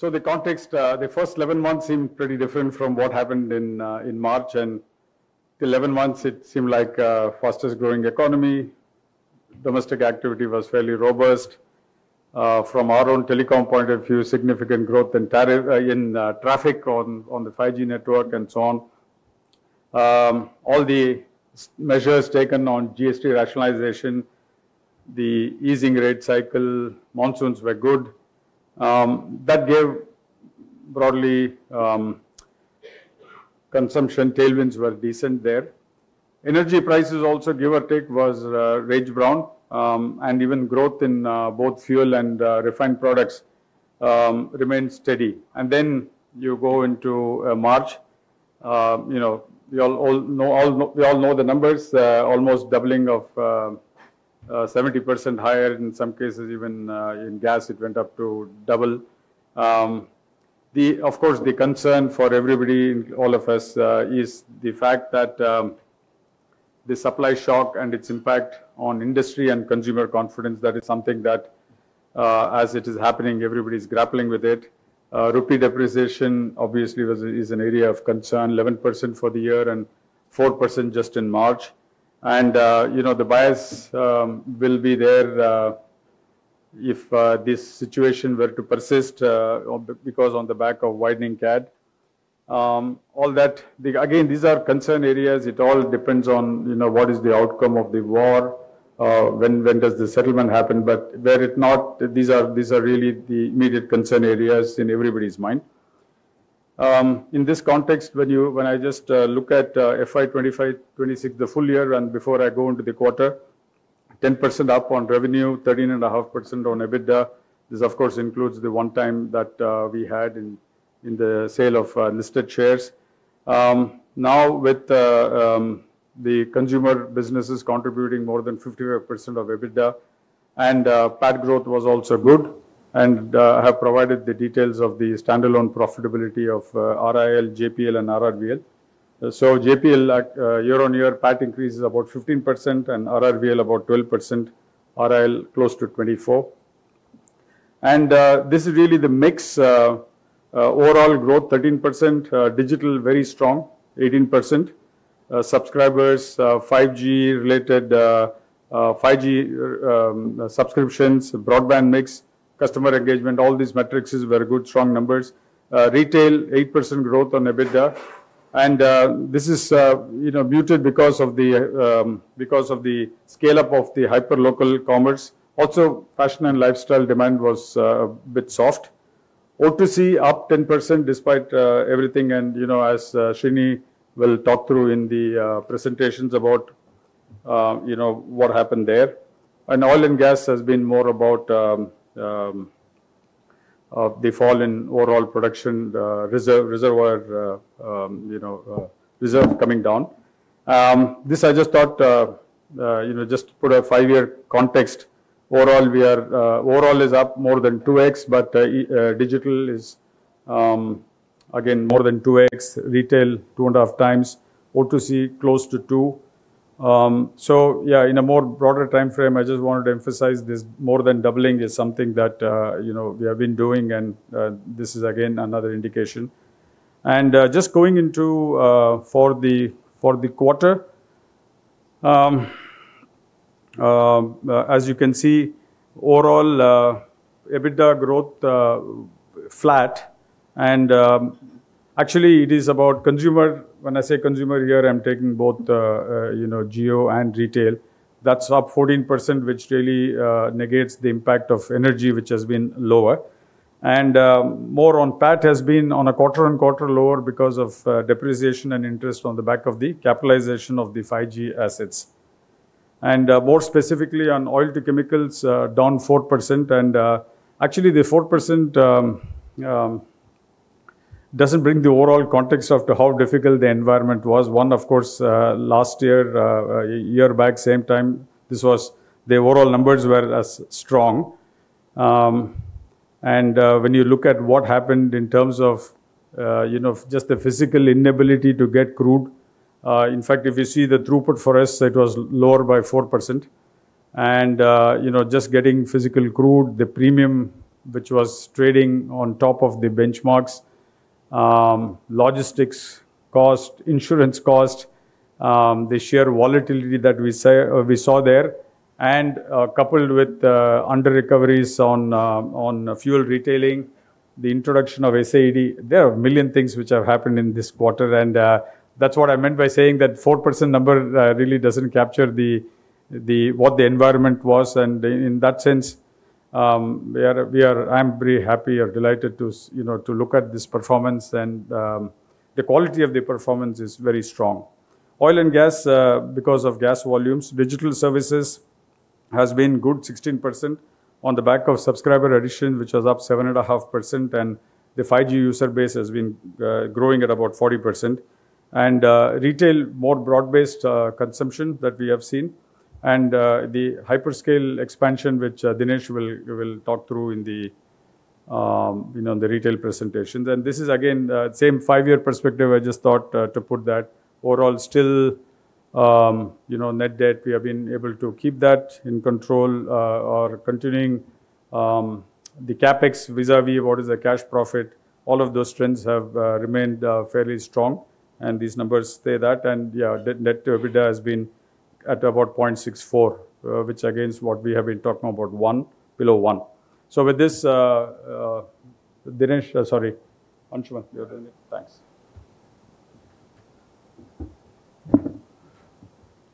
The context, the first 11 months, seemed pretty different from what happened in March. In 11 months, it seemed like the fastest-growing economy. Domestic activity was fairly robust. From our own telecom point of view, significant growth and tariff in traffic on the 5G network, and so on. All the measures taken on GST rationalization, the easing rate cycle, and monsoons were good. That gave broadly, consumption tailwinds were decent there. Energy prices also gave or took a was range-bound, and even growth in both fuel and refined products remained steady. Then you go into March, you know, we all know the numbers, almost doubling, 70% higher in some cases, even, in gas it went up to double. Of course, the concern for everybody, all of us, is the fact that the supply shock and its impact on industry and consumer confidence is something that, as it is happening, everybody's grappling with it. Rupee depreciation, obviously, is an area of concern, 11% for the year and 4% just in March. You know, the bias will be there if this situation were to persist, or because on the back of the widening CAD. All that, these are concern areas. It all depends on, you know, what the outcome of the war is, when the settlement happen? But were it not, these are really the immediate concern areas in everybody's mind. In this context, when I just look at FY 2025-2026, the full year and before I go into the quarter, 10% up on revenue, 13.5% on EBITDA. This, of course, includes the one-time that we had in the sale of listed shares. Now, with the consumer businesses contributing more than 55% of EBITDA, and PAT growth was also good, and we have provided the details of the standalone profitability of RIL, JPL ,and RRVL. So JPL at year-on-year PAT increase is about 15%, and RRVL about 12%, RIL close to 24%. This is really the mix. Overall growth 13%, digital is very strong, 18%. Subscribers, 5G-related subscriptions, broadband mix, customer engagement, all these metrics are very good, strong numbers. Retail 8% growth on EBITDA. This is, you know, muted because of the scale-up of the hyperlocal commerce. Also, fashion and lifestyle demand was a bit soft. O2C up 10% despite everything. You know, as Srini will talk through in the presentations about, you know, what happened there. Oil and gas have been more about the fall in overall production, the reserves coming down. This I just thought, you know, just to put a five-year context. Overall, we are up more than 2x, but digital is again more than 2x. Retail 2.5x. O2C close to 2x. So yeah, in a broader timeframe, I just wanted to emphasize this more than doubling is something that you know we have been doing, and this is again another indication. Just going into for the quarter. As you can see, overall EBITDA growth flat and actually it is about the consumer. When I say consumer here, I'm taking both you know Jio and retail. That's up 14%, which really negates the impact of energy, which has been lower. More on PAT has been on a quarter-on-quarter lower because of depreciation and interest on the back of the capitalization of the 5G assets. More specifically on Oil to Chemicals, down 4%. Actually, the 4% doesn't bring the overall context of the how difficult the environment was. Of course, last year, a year back same time, this was the overall numbers were as strong. When you look at what happened in terms of, you know, just the physical inability to get crude. In fact, if you see the throughput for us, it was lower by 4%. You know, just getting physical crude, the premium which was trading on top of the benchmarks, logistics cost, insurance cost, the share volatility that we saw there and, coupled with, under-recoveries on fuel retailing, the introduction of SAED. There are a million things which have happened in this quarter. That's what I meant by saying that 4% number, really doesn't capture what the environment was. In that sense, we are—I'm very happy or delighted to, you know, to look at this performance and, the quality of the performance is very strong. Oil and gas, because of gas volumes. Digital services has been good, 16% on the back of subscriber addition, which was up 7.5%. The 5G user base has been growing at about 40%. Retail, more broad-based consumption that we have seen. The hyperscale expansion, which Dinesh will talk through, you know, in the retail presentation. This is again same five-year perspective I just thought to put that. Overall, still, you know, net debt, we have been able to keep that in control or continuing the CapEx vis-à-vis what is the cash profit. All of those trends have remained fairly strong, and these numbers say that. Yeah, net debt has been at about 0.64%, which is against what we have been talking about 1%, below 1%. With this, Dinesh. Sorry. Anshuman. Thanks.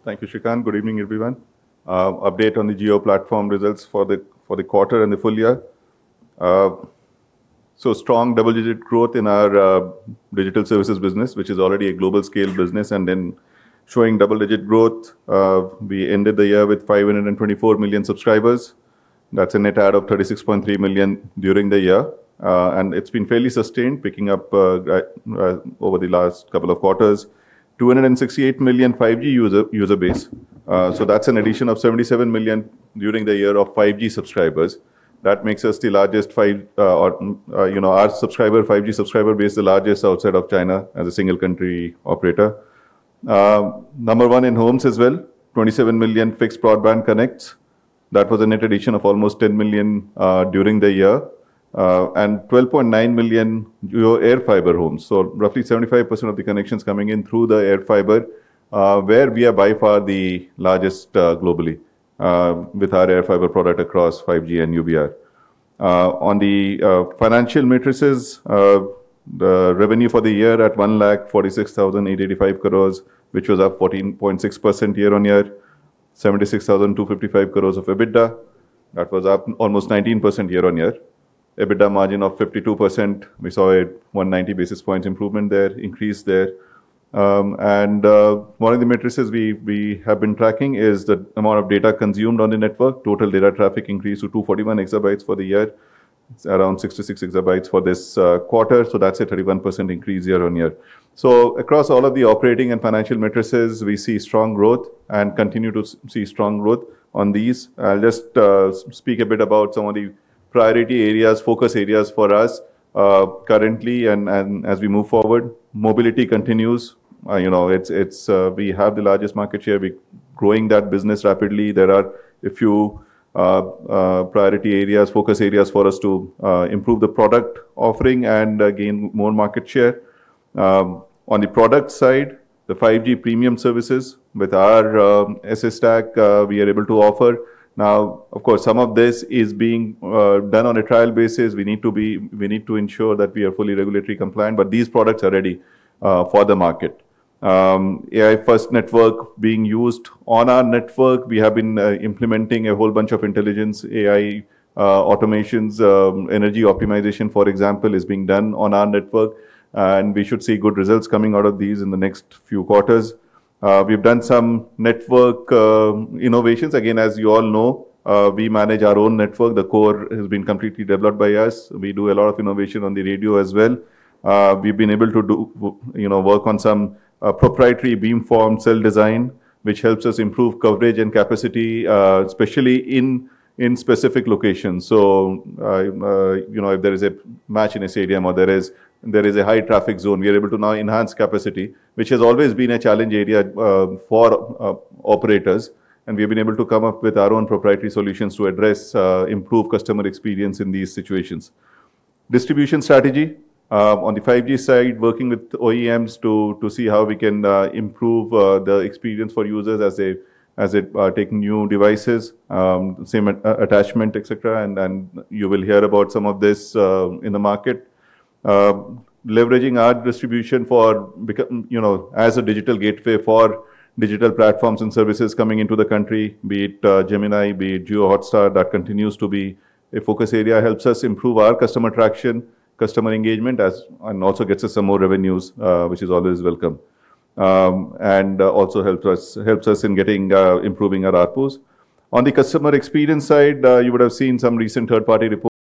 Thank you, Srikanth. Good evening, everyone. Update on the Jio platform results for the quarter and the full year. Strong double-digit growth in our digital services business, which is already a global-scale business, and then showing double-digit growth. We ended the year with 524 million subscribers. That's a net add of 36.3 million during the year. It's been fairly sustained, picking up over the last couple of quarters. 268 million 5G user base. That's an addition of 77 million during the year of 5G subscribers. That makes us the largest 5G subscriber base, you know, the largest outside of China as a single country operator. Number one in homes as well, 27 million fixed broadband connects. That was a net addition of almost 10 million during the year. 12.9 million Jio AirFiber homes. Roughly 75% of the connections coming in through the AirFiber, where we are by far the largest globally with our AirFiber product across 5G and UBR. On the financial metrics, the revenue for the year at 1,46,885 crore, which was up 14.6% year-on-year. 76,255 crore of EBITDA. That was up almost 19% year-on-year. EBITDA margin of 52%. We saw a 190 basis points improvement there, increase there. One of the metrics we have been tracking is the amount of data consumed on the network. Total data traffic increased to 241 exabytes for the year. It's around 66 exabytes for this quarter. That's a 31% increase year-on-year. Across all of the operating and financial metrics, we see strong growth and continue to see strong growth on these. I'll just speak a bit about some of the priority areas, focus areas for us currently and as we move forward. Mobility continues. You know, it's we have the largest market share. We're growing that business rapidly. There are a few priority areas, focus areas for us to improve the product offering and gain more market share. On the product side, the 5G premium services with our SA stack we are able to offer. Now, of course, some of this is being done on a trial basis. We need to ensure that we are fully regulatory compliant. These products are ready for the market. AI first network being used on our network, we have been implementing a whole bunch of intelligence, AI, automations, energy optimization, for example, is being done on our network, and we should see good results coming out of these in the next few quarters. We've done some network innovations. Again, as you all know, we manage our own network. The core has been completely developed by us. We do a lot of innovation on the radio as well. We've been able to do, you know, work on some proprietary beamform cell design, which helps us improve coverage and capacity, especially in specific locations. You know, if there is a match in a stadium or there is a high-traffic zone, we are able to now enhance capacity, which has always been a challenge area for operators, and we've been able to come up with our own proprietary solutions to address improve customer experience in these situations. Distribution strategy on the 5G side, working with OEMs to see how we can improve the experience for users as they take new devices, SIM activation, etc. You will hear about some of this in the market. Leveraging our distribution to become, you know, as a digital gateway for digital platforms and services coming into the country, be it Gemini, be it JioHotstar, that continues to be a focus area, helps us improve our customer traction, customer engagement and also gets us some more revenues, which is always welcome. It also helps us in improving our ARPU. On the customer experience side, you would have seen some recent third-party reports,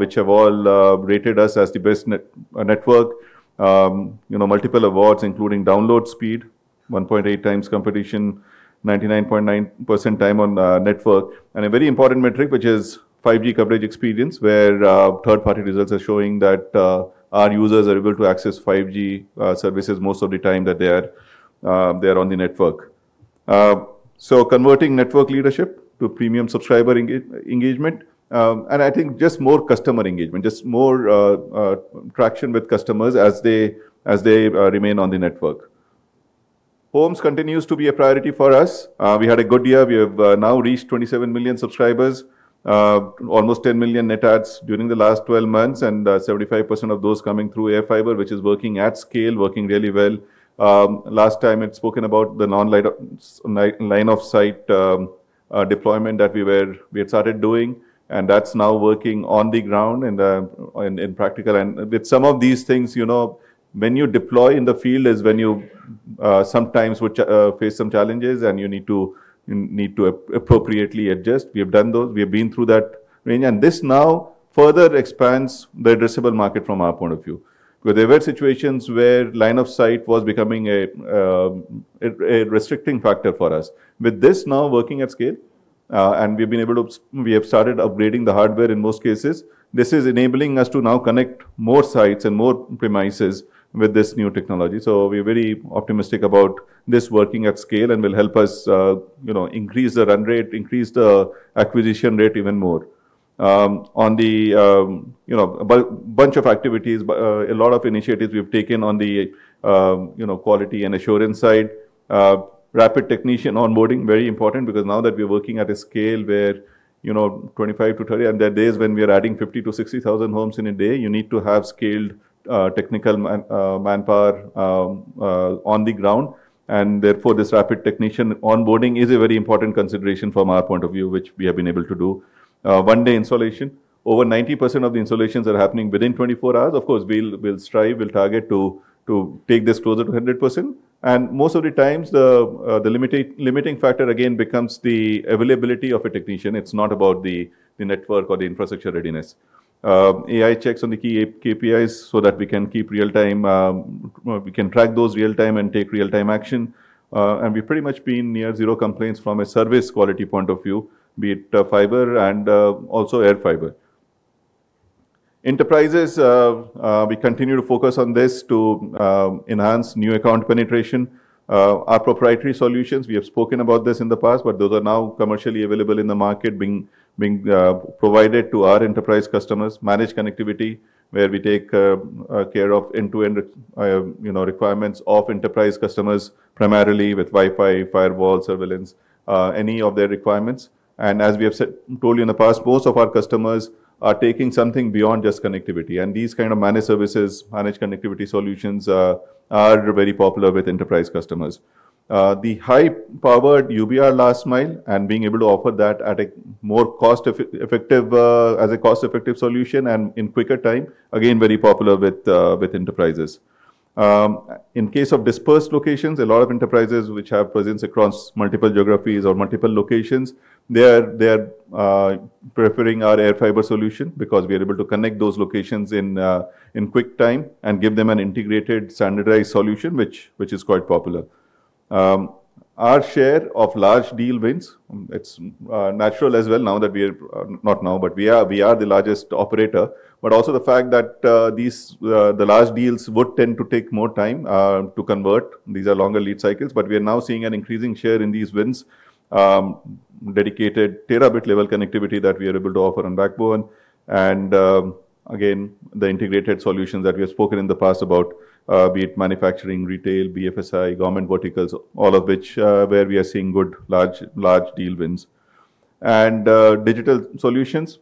which have all rated us as the best network. You know, multiple awards, including download speed, 1.8x competition, 99.9% time on the network, and a very important metric, which is 5G coverage experience, where third-party results are showing that our users are able to access 5G services most of the time that they are on the network. Converting network leadership to premium subscriber engagement, and I think just more customer engagement, just more traction with customers as they remain on the network. Homes continues to be a priority for us. We had a good year. We have now reached 27 million subscribers. Almost 10 million net adds during the last 12 months, and 75% of those coming through AirFiber, which is working at scale, working really well. Last time I'd spoken about the non-line-of-sight deployment that we had started doing, and that's now working on the ground in practice. With some of these things, you know, when you deploy in the field is when you sometimes face some challenges, and you need to appropriately adjust. We have done those. We have been through that phase. This now further expands the addressable market from our point of view, where there were situations where line of sight was becoming a restricting factor for us. With this now working at scale, we have started upgrading the hardware in most cases. This is enabling us to now connect more sites and more premises with this new technology. We're very optimistic about this working at scale and will help us, you know, increase the run rate, increase the acquisition rate even more. On the, you know, bunch of activities, a lot of initiatives we've taken on the, you know, quality and assurance side. Rapid technician onboarding is a very important because now that we're working at a scale where, you know, 25-30, and there are days when we are adding 50,000-60,000 homes in a day, you need to have scaled technical manpower on the ground. Therefore, this rapid technician onboarding is a very important consideration from our point of view, which we have been able to do. One-day installation. Over 90% of the installations are happening within 24 hours. Of course, we'll strive, we'll target to take this closer to 100%. Most of the times the limiting factor again becomes the availability of a technician. It's not about the network or the infrastructure readiness. AI checks on the key KPIs so that we can keep real-time or we can track those real-time and take real-time action. We've pretty much been near zero complaints from a service quality point of view, be it fiber and also AirFiber. Enterprises, we continue to focus on this to enhance new account penetration. Our proprietary solutions, we have spoken about this in the past, but those are now commercially available in the market being provided to our enterprise customers. Managed connectivity, where we take care of end-to-end, you know, requirements of enterprise customers, primarily with Wi-Fi, firewall, surveillance, any of their requirements. As we have told you in the past, most of our customers are taking something beyond just connectivity. These kind of managed services, managed connectivity solutions, are very popular with enterprise customers. The high-powered UBR last mile and being able to offer that at a more cost-effective, as a cost-effective solution and in quicker time, again, very popular with enterprises. In case of dispersed locations, a lot of enterprises which have presence across multiple geographies or multiple locations, they are prefer our AirFiber solution because we are able to connect those locations in quick time and give them an integrated standardized solution, which is quite popular. Our share of large deal wins, it's natural as well now that we are the largest operator. But also the fact that these large deals would tend to take more time to convert. These are longer lead cycles, but we are now seeing an increasing share in these wins. Dedicated terabit-level connectivity that we are able to offer on the backbone. Again, the integrated solutions that we have spoken about in the past, be it manufacturing, retail, BFSI, government verticals, all of which were where we are seeing good large deal wins. Digital solutions,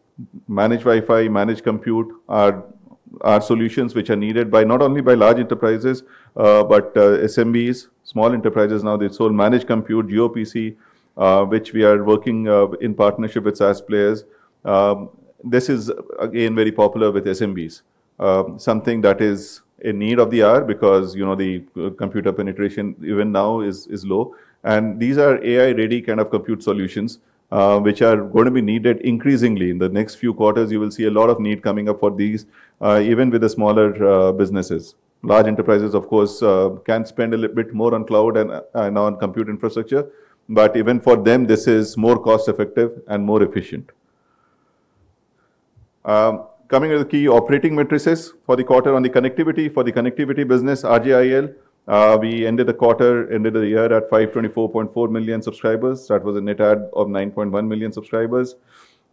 managed Wi-Fi, and managed compute are solutions that are needed by not only large enterprises, but also SMBs, small enterprises now. They sold managed compute, JioPC, with which we are working in partnership with SaaS players. This is again very popular with SMBs. Something that is a need of the hour because, you know, the computer penetration even now is low. These are AI-ready kinds of compute solutions, which are gonna be needed increasingly. In the next few quarters, you will see a lot of need coming up for these, even with the smaller businesses. Large enterprises, of course, can spend a little bit more on cloud and on compute infrastructure, but even for them, this is more cost-effective and more efficient. Coming to the key operating metrics for the quarter. On the connectivity, for the connectivity business, Jio, we ended the quarter, ended the year at 524.4 million subscribers. That was a net add of 9.1 million subscribers.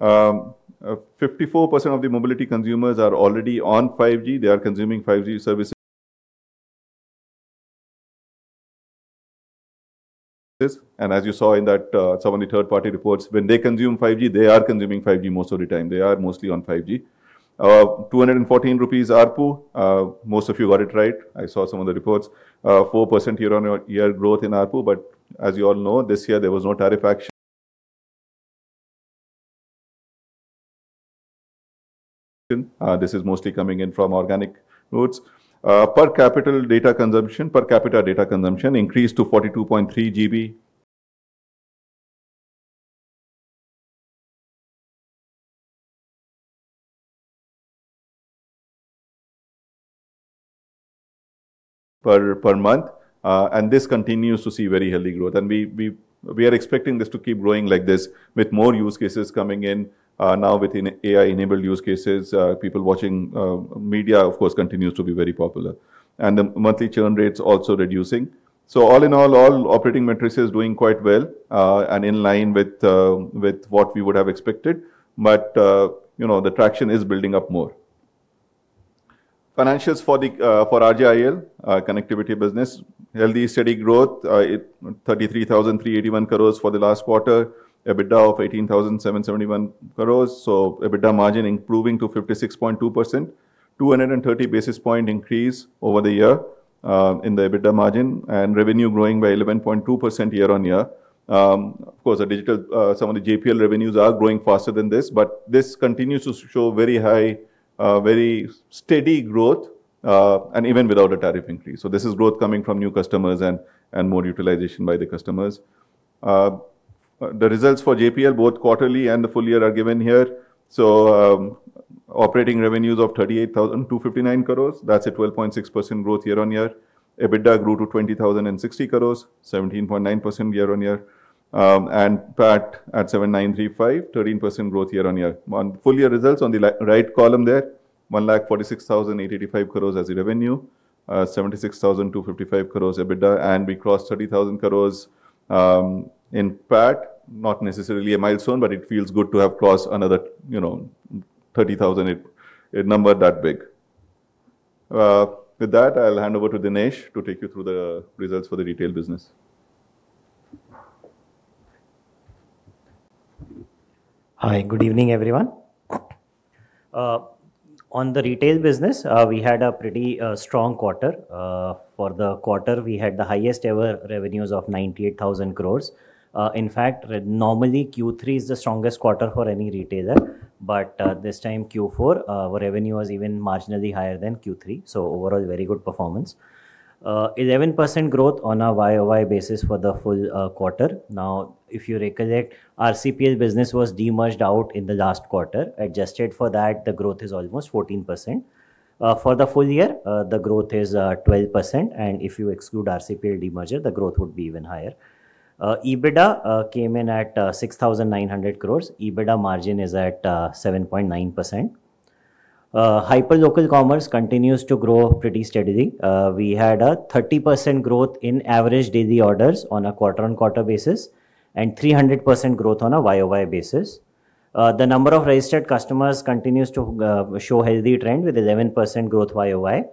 54% of the mobility consumers are already on 5G. They are consuming 5G services. As you saw in that, some of the third-party reports, when they consume 5G, they are consuming 5G most of the time. They are mostly on 5G. 214 rupees ARPU. Most of you got it right. I saw some of the reports. 4% year-on-year growth in ARPU, but as you all know, this year there was no tariff action. This is mostly coming in from organic routes. Per capita data consumption increased to 42.3 GB per month, and this continues to see very healthy growth. We are expecting this to keep growing like this with more use cases coming in, now with AI-enabled use cases. People watching media, of course, continues to be very popular. The monthly churn rate's also reducing. All in all, operating metrics are doing quite well, and in line with what we would have expected. You know, the traction is building up more. Financials for RJIL connectivity business. Healthy, steady growth, 33,381 crores for the last quarter. EBITDA of 18,771 crores. EBITDA margin improving to 56.2%. 230 basis point increase over the year in the EBITDA margin, and revenue growing by 11.2% year-on-year. Of course, our digital, some of the JPL revenues are growing faster than this, but this continues to show very high, very steady growth, and even without a tariff increase. This is growth coming from new customers and more utilization by the customers. The results for JPL, both quarterly and for the full year, are given here. Operating revenues of 38,259 crore. That's a 12.6% growth year-on-year. EBITDA grew to 20,060 crore, 17.9% year-on-year. And PAT at 7,935 crore, 13% growth year-on-year. Full year results on the right column there, 1,46,085 crore as revenue. 76,255 crore EBITDA, and we crossed 30,000 crore in PAT. Not necessarily a milestone, but it feels good to have crossed another, you know, 30,000, a number that big. With that, I'll hand over to Dinesh to take you through the results for the retail business. Hi, good evening, everyone. On the retail business, we had a pretty strong quarter. For the quarter, we had the highest-ever revenues of 98,000 crore. In fact, normally Q3 is the strongest quarter for any retailer, but this time Q4, our revenue was even marginally higher than Q3, so overall very good performance. 11% growth on a YoY basis for the full quarter. Now, if you recollect, RCPL business was de-merged out in the last quarter. Adjusted for that, the growth is almost 14%. For the full year, the growth is 12%, and if you exclude the RCPL de-merger, the growth would be even higher. EBITDA came in at 6,900 crore. EBITDA margin is at 7.9%. Hyperlocal commerce continues to grow pretty steadily. We had a 30% growth in average daily orders on a quarter-over-quarter basis, and 300% growth on a year-over-year basis. The number of registered customers continues to show healthy trend with 11% growth year-over-year.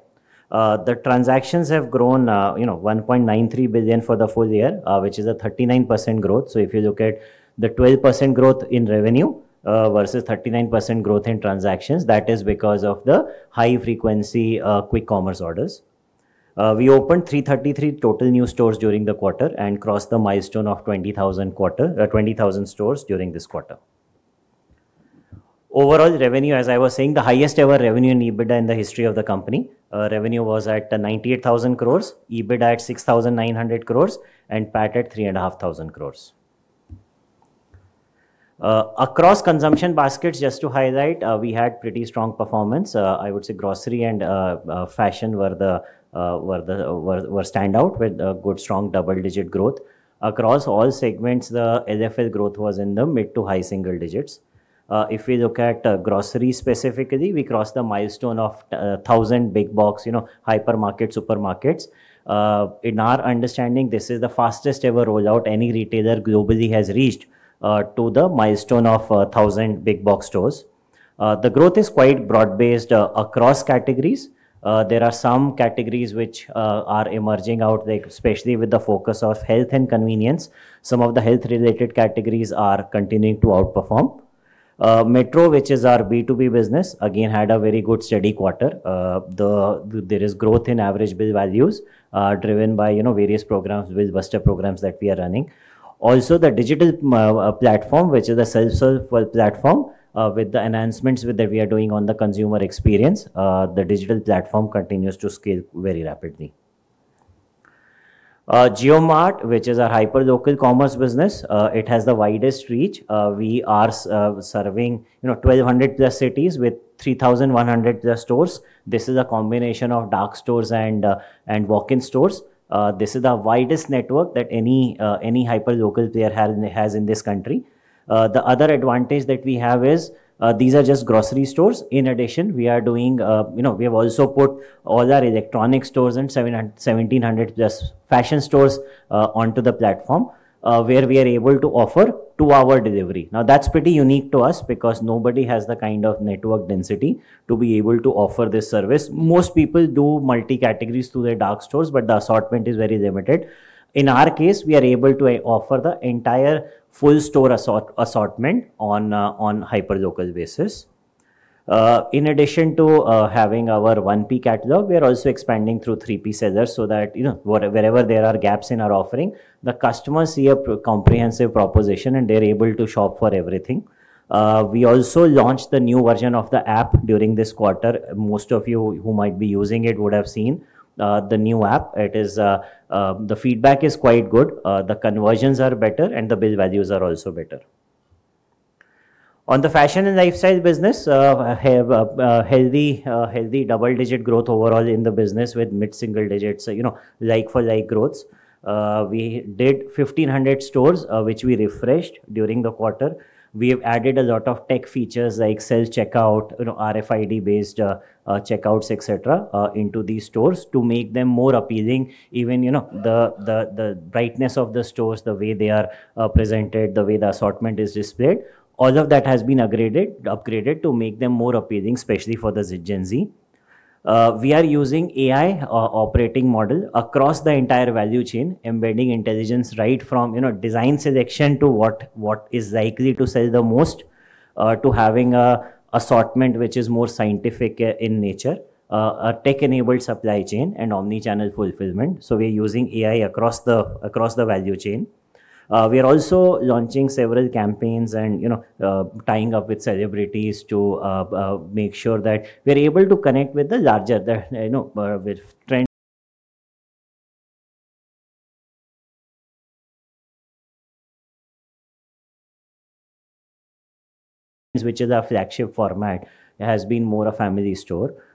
The transactions have grown, you know, 1.93 billion for the full year, which is a 39% growth. If you look at the 12% growth in revenue versus 39% growth in transactions, that is because of the high frequency quick commerce orders. We opened 333 total new stores during the quarter and crossed the milestone of 20,000 stores during this quarter. Overall revenue, as I was saying, the highest ever revenue in EBITDA in the history of the company. Revenue was at 98,000 crores, EBITDA at 6,900 crores, and PAT at 3,500 crores. Across consumption baskets, just to highlight, we had a pretty strong performance. I would say grocery and fashion were the standouts with good, strong double-digit growth. Across all segments, the LFL growth was in the mid-to-high single digits. If we look at grocery specifically, we crossed the milestone of 1,000 big box, you know, hypermarket, supermarkets. In our understanding, this is the fastest ever rollout any retailer globally has reached the milestone of 1,000 big box stores. The growth is quite broad-based across categories. There are some categories that are emerging out there, especially with the focus on health and convenience. Some of the health-related categories are continuing to outperform. Metro, which is our B2B business, again, had a very good, steady quarter. There is growth in average bill values, driven by, you know, various programs, bill buster programs that we are running. Also, the digital platform, which is a self-serve platform, with the enhancements we are doing on the consumer experience, the digital platform continues to scale very rapidly. JioMart, which is our hyperlocal commerce business, it has the widest reach. We are serving, you know, 1,200+ cities with 3,100+ stores. This is a combination of dark stores and walk-in stores. This is the widest network that any hyperlocal player has in this country. The other advantage that we have is that these are just grocery stores. In addition, we are doing, you know, we have also put all our electronic stores and 1,700 plus fashion stores onto the platform where we are able to offer two-hour delivery. Now, that's pretty unique to us because nobody has the kind of network density to be able to offer this service. Most people do multi-categories through their dark stores, but the assortment is very limited. In our case, we are able to offer the entire full store assortment on a hyperlocal basis. In addition to having our 1P catalog, we are also expanding through 3P sellers so that, you know, wherever there are gaps in our offering, the customers see a comprehensive proposition, and they're able to shop for everything. We also launched the new version of the app during this quarter. Most of you who might be using it would have seen the new app. It is. The feedback is quite good, the conversions are better, and the bill values are also better. On the fashion and lifestyle business, we have a healthy double-digit growth overall in the business, with mid-single digits, you know, like-for-like growth. We did 1,500 stores, which we refreshed during the quarter. We have added a lot of tech features like self-checkout, you know, RFID-based checkouts, et cetera, into these stores to make them more appealing. Even, you know, the brightness of the stores, the way they are presented, the way the assortment is displayed, all of that has been upgraded to make them more appealing, especially for the Gen Z. We are using AI operating model across the entire value chain, embedding intelligence right from, you know, design selection to what is likely to sell the most, to having an assortment which is more scientific in nature, a tech-enabled supply chain and omni-channel fulfillment. We're using AI across the value chain. We are also launching several campaigns and, you know, tying up with celebrities to make sure that we're able to connect with the larger, you know, with the trend,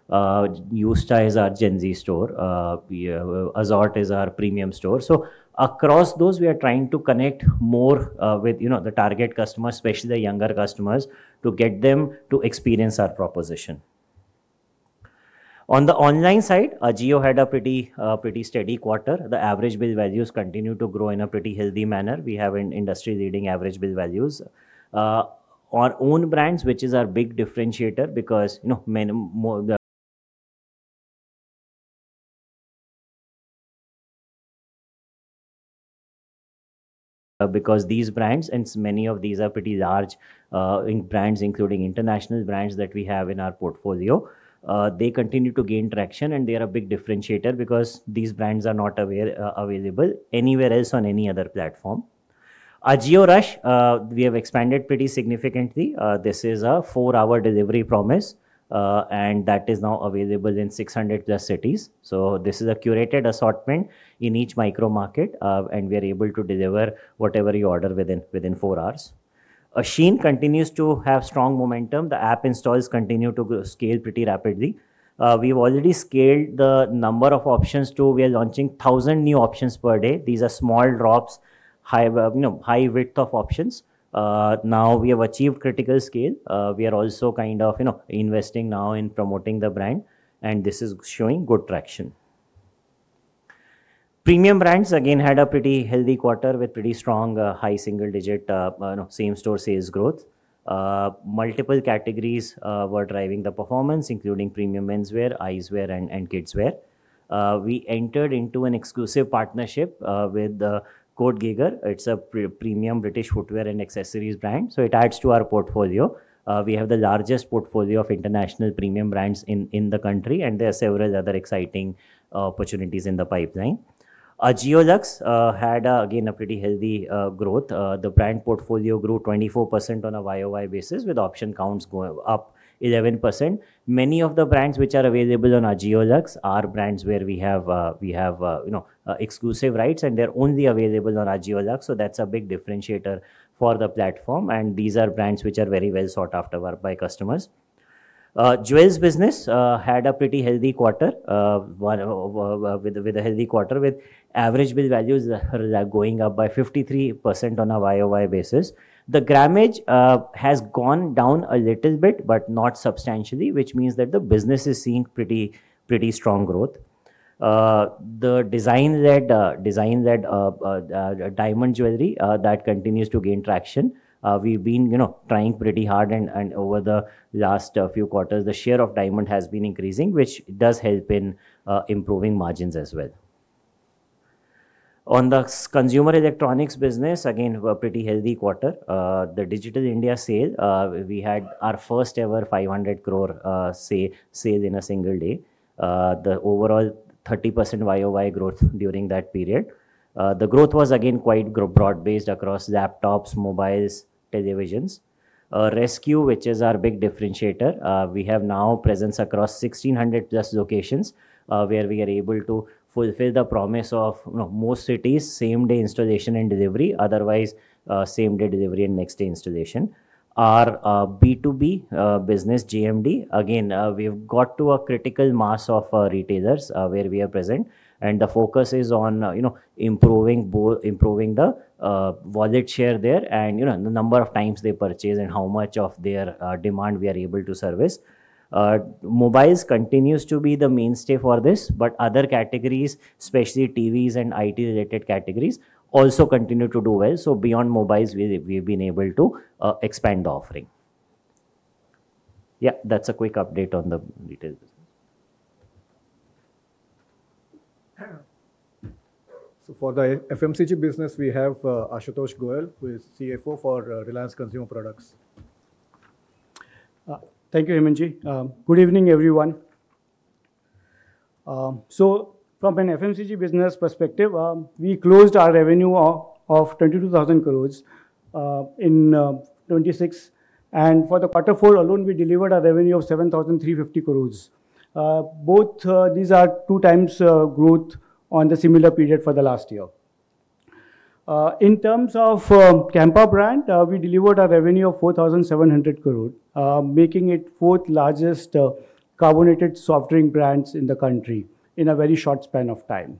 which is our flagship format has been more of a family store. Yousta is our Gen Z store. Azorte is our premium store. Across those, we are trying to connect more with, you know, the target customers, especially the younger customers, to get them to experience our proposition. On the online side, Ajio had a pretty steady quarter. The average bill values continue to grow in a pretty healthy manner. We have an industry-leading average bill value. Our own brands, which are our big differentiator because, you know, because these brands and many of these are pretty large in brands, including international brands that we have in our portfolio. They continue to gain traction, and they're a big differentiator because these brands are not available anywhere else on any other platform. Ajio Rush, we have expanded pretty significantly. This is a four-hour delivery promise, and that is now available in 600+ cities. This is a curated assortment in each micro market, and we are able to deliver whatever you order within four hours. Shein continues to have strong momentum. The app installs continue to scale pretty rapidly. We've already scaled the number of options to we are launching 1,000 new options per day. These are small drops, high, you know, high width of options. Now we have achieved critical scale. We are also kind of, you know, investing now in promoting the brand, and this is showing good traction. Premium brands, again, had a pretty healthy quarter with pretty strong, high single-digit, you know, same-store sales growth. Multiple categories were driving the performance, including premium menswear, eyewear and kidswear. We entered into an exclusive partnership with Kurt Geiger. It's a premium British footwear and accessories brand, so it adds to our portfolio. We have the largest portfolio of international premium brands in the country, and there are several other exciting opportunities in the pipeline. Ajio Luxe had, again, a pretty healthy growth. The brand portfolio grew 24% on a YoY basis, with option counts going up 11%. Many of the brands that are available on Ajio Luxe are brands where we have you know exclusive rights, and they're only available on Ajio Luxe, so that's a big differentiator for the platform. These are brands which are very well sought after by customers. Jewels business had a pretty healthy quarter with average bill value going up by 53% on a YoY basis. The grammage has gone down a little bit, but not substantially, which means that the business is seeing pretty strong growth. The design-led diamond jewelry continues to gain traction. We've been, you know, trying pretty hard and over the last few quarters, the share of diamond has been increasing, which does help in improving margins as well. On the consumer electronics business, again, we've had a pretty healthy quarter. The Digital India Sale, we had our first-ever 500 crore sale in a single day. The overall 30% YoY growth during that period. The growth was again quite broad-based across laptops, mobiles, and televisions. resQ, which is our big differentiator, we have now presence across 1,600+ locations, where we are able to fulfill the promise of, you know, most cities, same-day installation and delivery. Otherwise, same-day delivery and next-day installation. Our B2B business, JMD, again, we've got to a critical mass of our retailers, where we are present, and the focus is on, you know, improving the wallet share there and, you know, the number of times they purchase and how much of their demand we are able to service. Mobiles continues to be the mainstay for this, but other categories, especially TVs and IT-related categories, also continue to do well. Beyond mobiles, we've been able to expand the offering. Yeah, that's a quick update on the retail business. For the FMCG business, we have Ashutosh Goyal, who is the CFO for Reliance Consumer Products. Thank you, Hemant Ji. Good evening, everyone. From an FMCG business perspective, we closed our revenue of 22,000 crore in 2026. For quarter four alone, we delivered a revenue of 7,350 crore. Both these are 2x growth on the similar period for the last year. In terms of the Campa brand, we delivered a revenue of 4,700 crore, making it the fourth-largest carbonated soft drink brands in the country in a very short span of time.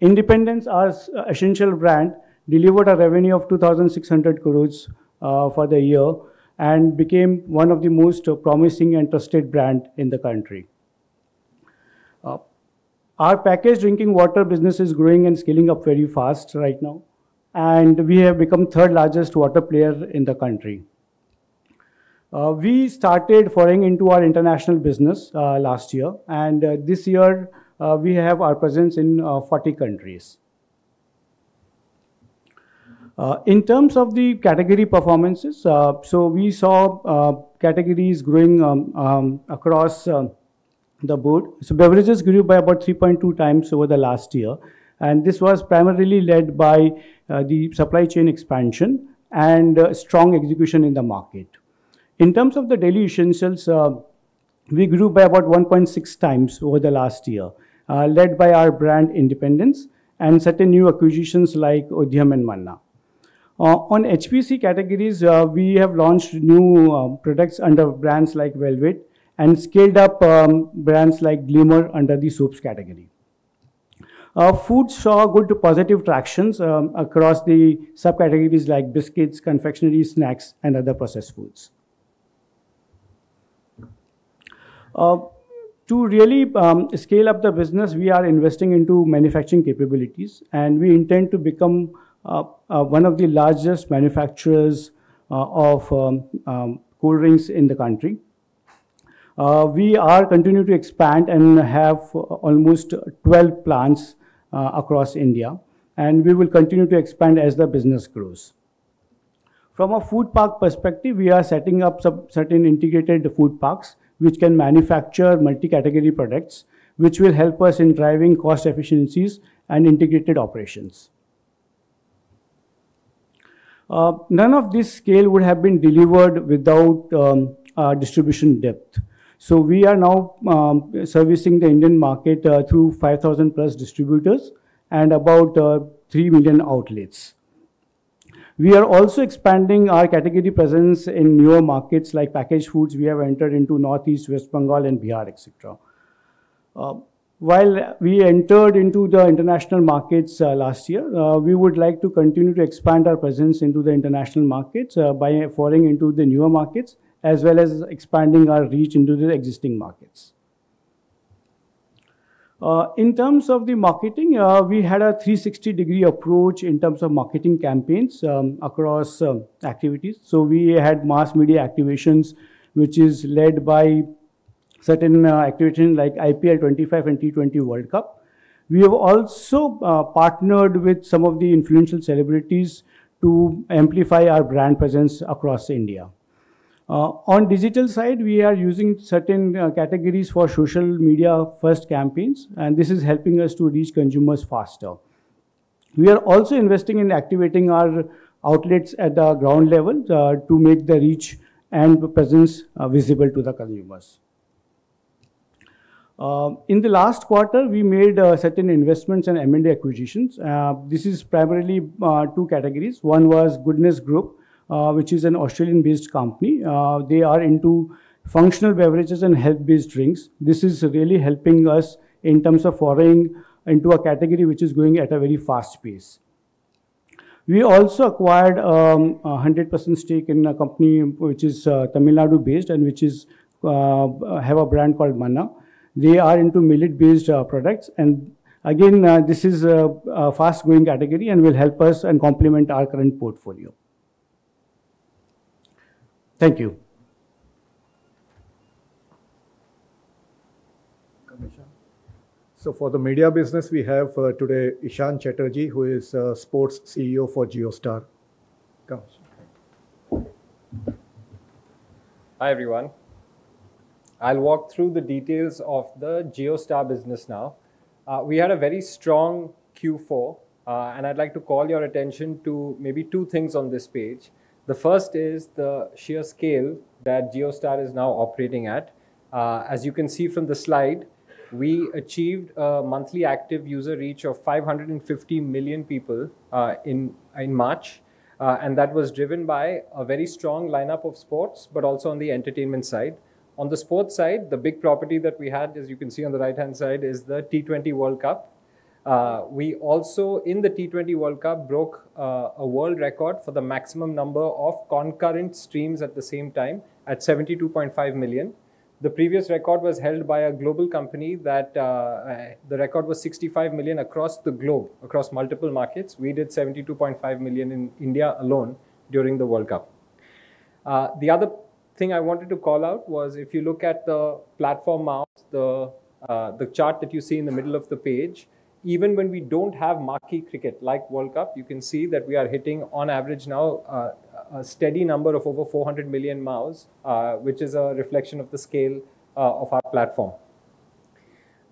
Independence as essential brand delivered a revenue of 2,600 crore for the year and became one of the most promising and trusted brand in the country. Our packaged drinking water business is growing and scaling up very fast right now, and we have become third-largest water player in the country. We started foraying into our international business last year, and this year we have our presence in 40 countries. In terms of the category performances, so we saw categories growing across the board. Beverages grew by about 3.2x over the last year, and this was primarily led by the supply chain expansion and strong execution in the market. In terms of the daily essentials, We grew by about 1.6x over the last year, led by our brand Independence and certain new acquisitions like Udhaiyam and Manna. On HPC categories, we have launched new products under brands like Velvet and scaled up brands like Glimmer under the soaps category. Our foods saw good to positive traction across the subcategories like biscuits, confectionery, snacks, and other processed foods. To really scale up the business, we are investing in manufacturing capabilities, and we intend to become one of the largest manufacturers of cool drinks in the country. We are continuing to expand and have almost 12 plants across India, and we will continue to expand as the business grows. From a food park perspective, we are setting up certain integrated food parks which can manufacture multi-category products, which will help us in driving cost efficiencies and integrated operations. None of this scale would have been delivered without our distribution depth. We are now servicing the Indian market through 5,000+ distributors and about 3 million outlets. We are also expanding our category presence in newer markets like packaged foods. We have entered into Northeast, West Bengal and Bihar, etc. While we entered into the international markets last year, we would like to continue to expand our presence into the international markets by foraying into the newer markets, as well as expanding our reach into the existing markets. In terms of marketing, we had a 360-degree approach in terms of marketing campaigns across activities. We had mass media activations, which is led by certain activations like IPL 25 and T20 World Cup. We have also partnered with some of the influential celebrities to amplify our brand presence across India. On the digital side, we are using certain categories for social media-first campaigns, and this is helping us to reach consumers faster. We are also investing in activating our outlets at the ground level to make the reach and presence visible to the consumers. In the last quarter, we made certain investments and M&A acquisitions. This is primarily two categories. One was Goodness Group, which is an Australian-based company. They are into functional beverages and health-based drinks. This is really helping us in terms of foraying into a category which is growing at a very fast pace. We also acquired 100% stake in a company which is Tamil Nadu-based and which has a brand called Manna. They are into millet-based products, and again this is a fast-growing category and will help us and complement our current portfolio. Thank you. For the media business, we have today Ishan Chatterjee, who is the Sports CEO for JioStar. Hi, everyone. I'll walk through the details of the JioStar business now. We had a very strong Q4, and I'd like to call your attention to maybe two things on this page. The first is the sheer scale that JioStar is now operating at. As you can see from the slide, we achieved a monthly active user reach of 550 million people in March. That was driven by a very strong lineup of sports, but also on the entertainment side. On the sports side, the big property that we had, as you can see on the right-hand side, is the T20 World Cup. We also, in the T20 World Cup, broke a world record for the maximum number of concurrent streams at the same time at 72.5 million. The previous record was held by a global company that the record was 65 million across the globe, across multiple markets. We did 72.5 million in India alone during the World Cup. The other thing I wanted to call out was if you look at the platform MAUs, the chart that you see in the middle of the page, even when we don't have marquee cricket like World Cup, you can see that we are hitting on average now a steady number of over 400 million MAUs, which is a reflection of the scale of our platform.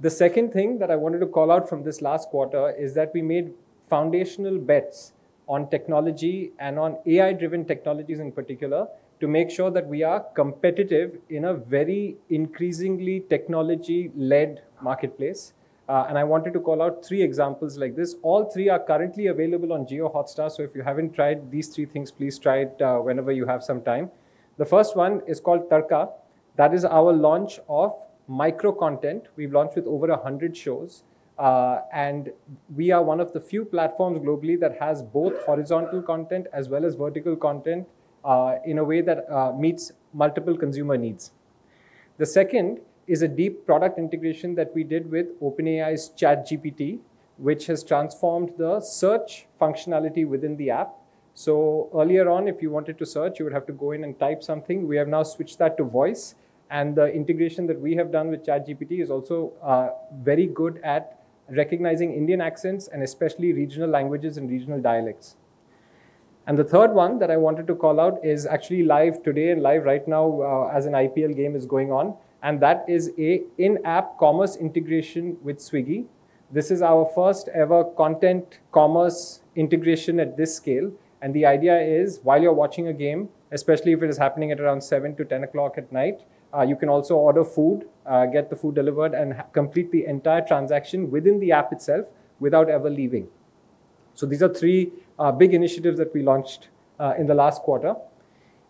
The second thing that I wanted to call out from this last quarter is that we made foundational bets on technology and on AI-driven technologies in particular, to make sure that we are competitive in a very increasingly technology-led marketplace. I wanted to call out three examples like this. All three are currently available on JioHotstar, so if you haven't tried these three things, please try it whenever you have some time. The first one is called Tarka. That is our launch of micro content. We've launched with over 100 shows. We are one of the few platforms globally that has both horizontal content as well as vertical content in a way that meets multiple consumer needs. The second is a deep product integration that we did with OpenAI's ChatGPT, which has transformed the search functionality within the app. Earlier on, if you wanted to search, you would have to go in and type something. We have now switched that to voice, and the integration that we have done with ChatGPT is also very good at recognizing Indian accents and especially regional languages and regional dialects. The third one that I wanted to call out is actually live today and live right now, as an IPL game is going on, and that is an in-app commerce integration with Swiggy. This is our first ever content commerce integration at this scale. The idea is while you're watching a game, especially if it is happening at around 7 to 10 o'clock at night, you can also order food, get the food delivered, and complete the entire transaction within the app itself without ever leaving. These are three big initiatives that we launched in the last quarter.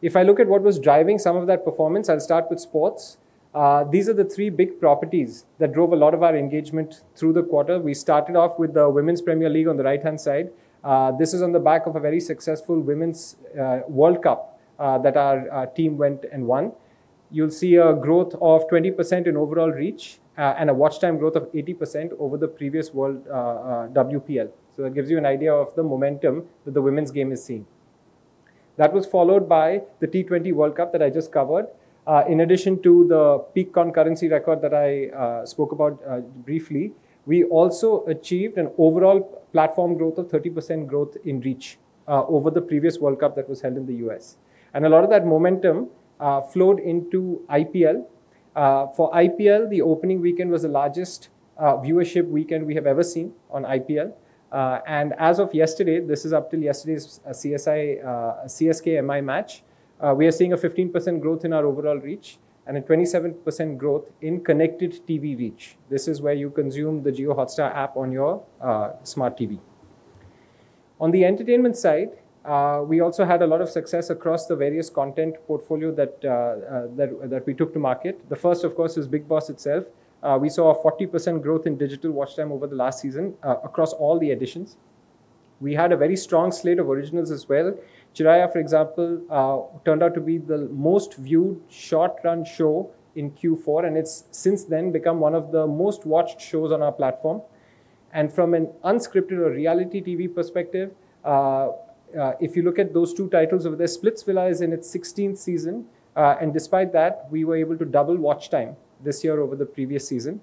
If I look at what was driving some of that performance, I'll start with sports. These are the three big properties that drove a lot of our engagement through the quarter. We started off with the Women's Premier League on the right-hand side. This is on the back of a very successful women's World Cup that our team went and won. You'll see a growth of 20% in overall reach and a watch time growth of 80% over the previous WPL. That gives you an idea of the momentum that the women's game is seeing. That was followed by the T20 World Cup that I just covered. In addition to the peak concurrency record that I spoke about briefly, we also achieved an overall platform growth of 30% growth in reach over the previous World Cup that was held in the U.S. A lot of that momentum flowed into IPL. For IPL, the opening weekend was the largest viewership weekend we have ever seen on IPL. And as of yesterday, this is up till yesterday's CSK-MI match, we are seeing a 15% growth in our overall reach and a 27% growth in connected TV reach. This is where you consume the JioHotstar app on your smart TV. On the entertainment side, we also had a lot of success across the various content portfolio that we took to market. The first, of course, was Bigg Boss itself. We saw a 40% growth in digital watch time over the last season across all the editions. We had a very strong slate of originals as well. Chiraiya, for example, turned out to be the most viewed short-run show in Q4, and it's since then become one of the most watched shows on our platform. From an unscripted or reality TV perspective, if you look at those two titles over there, Splitsvilla is in its 16th season, and despite that, we were able to double watch time this year over the previous season.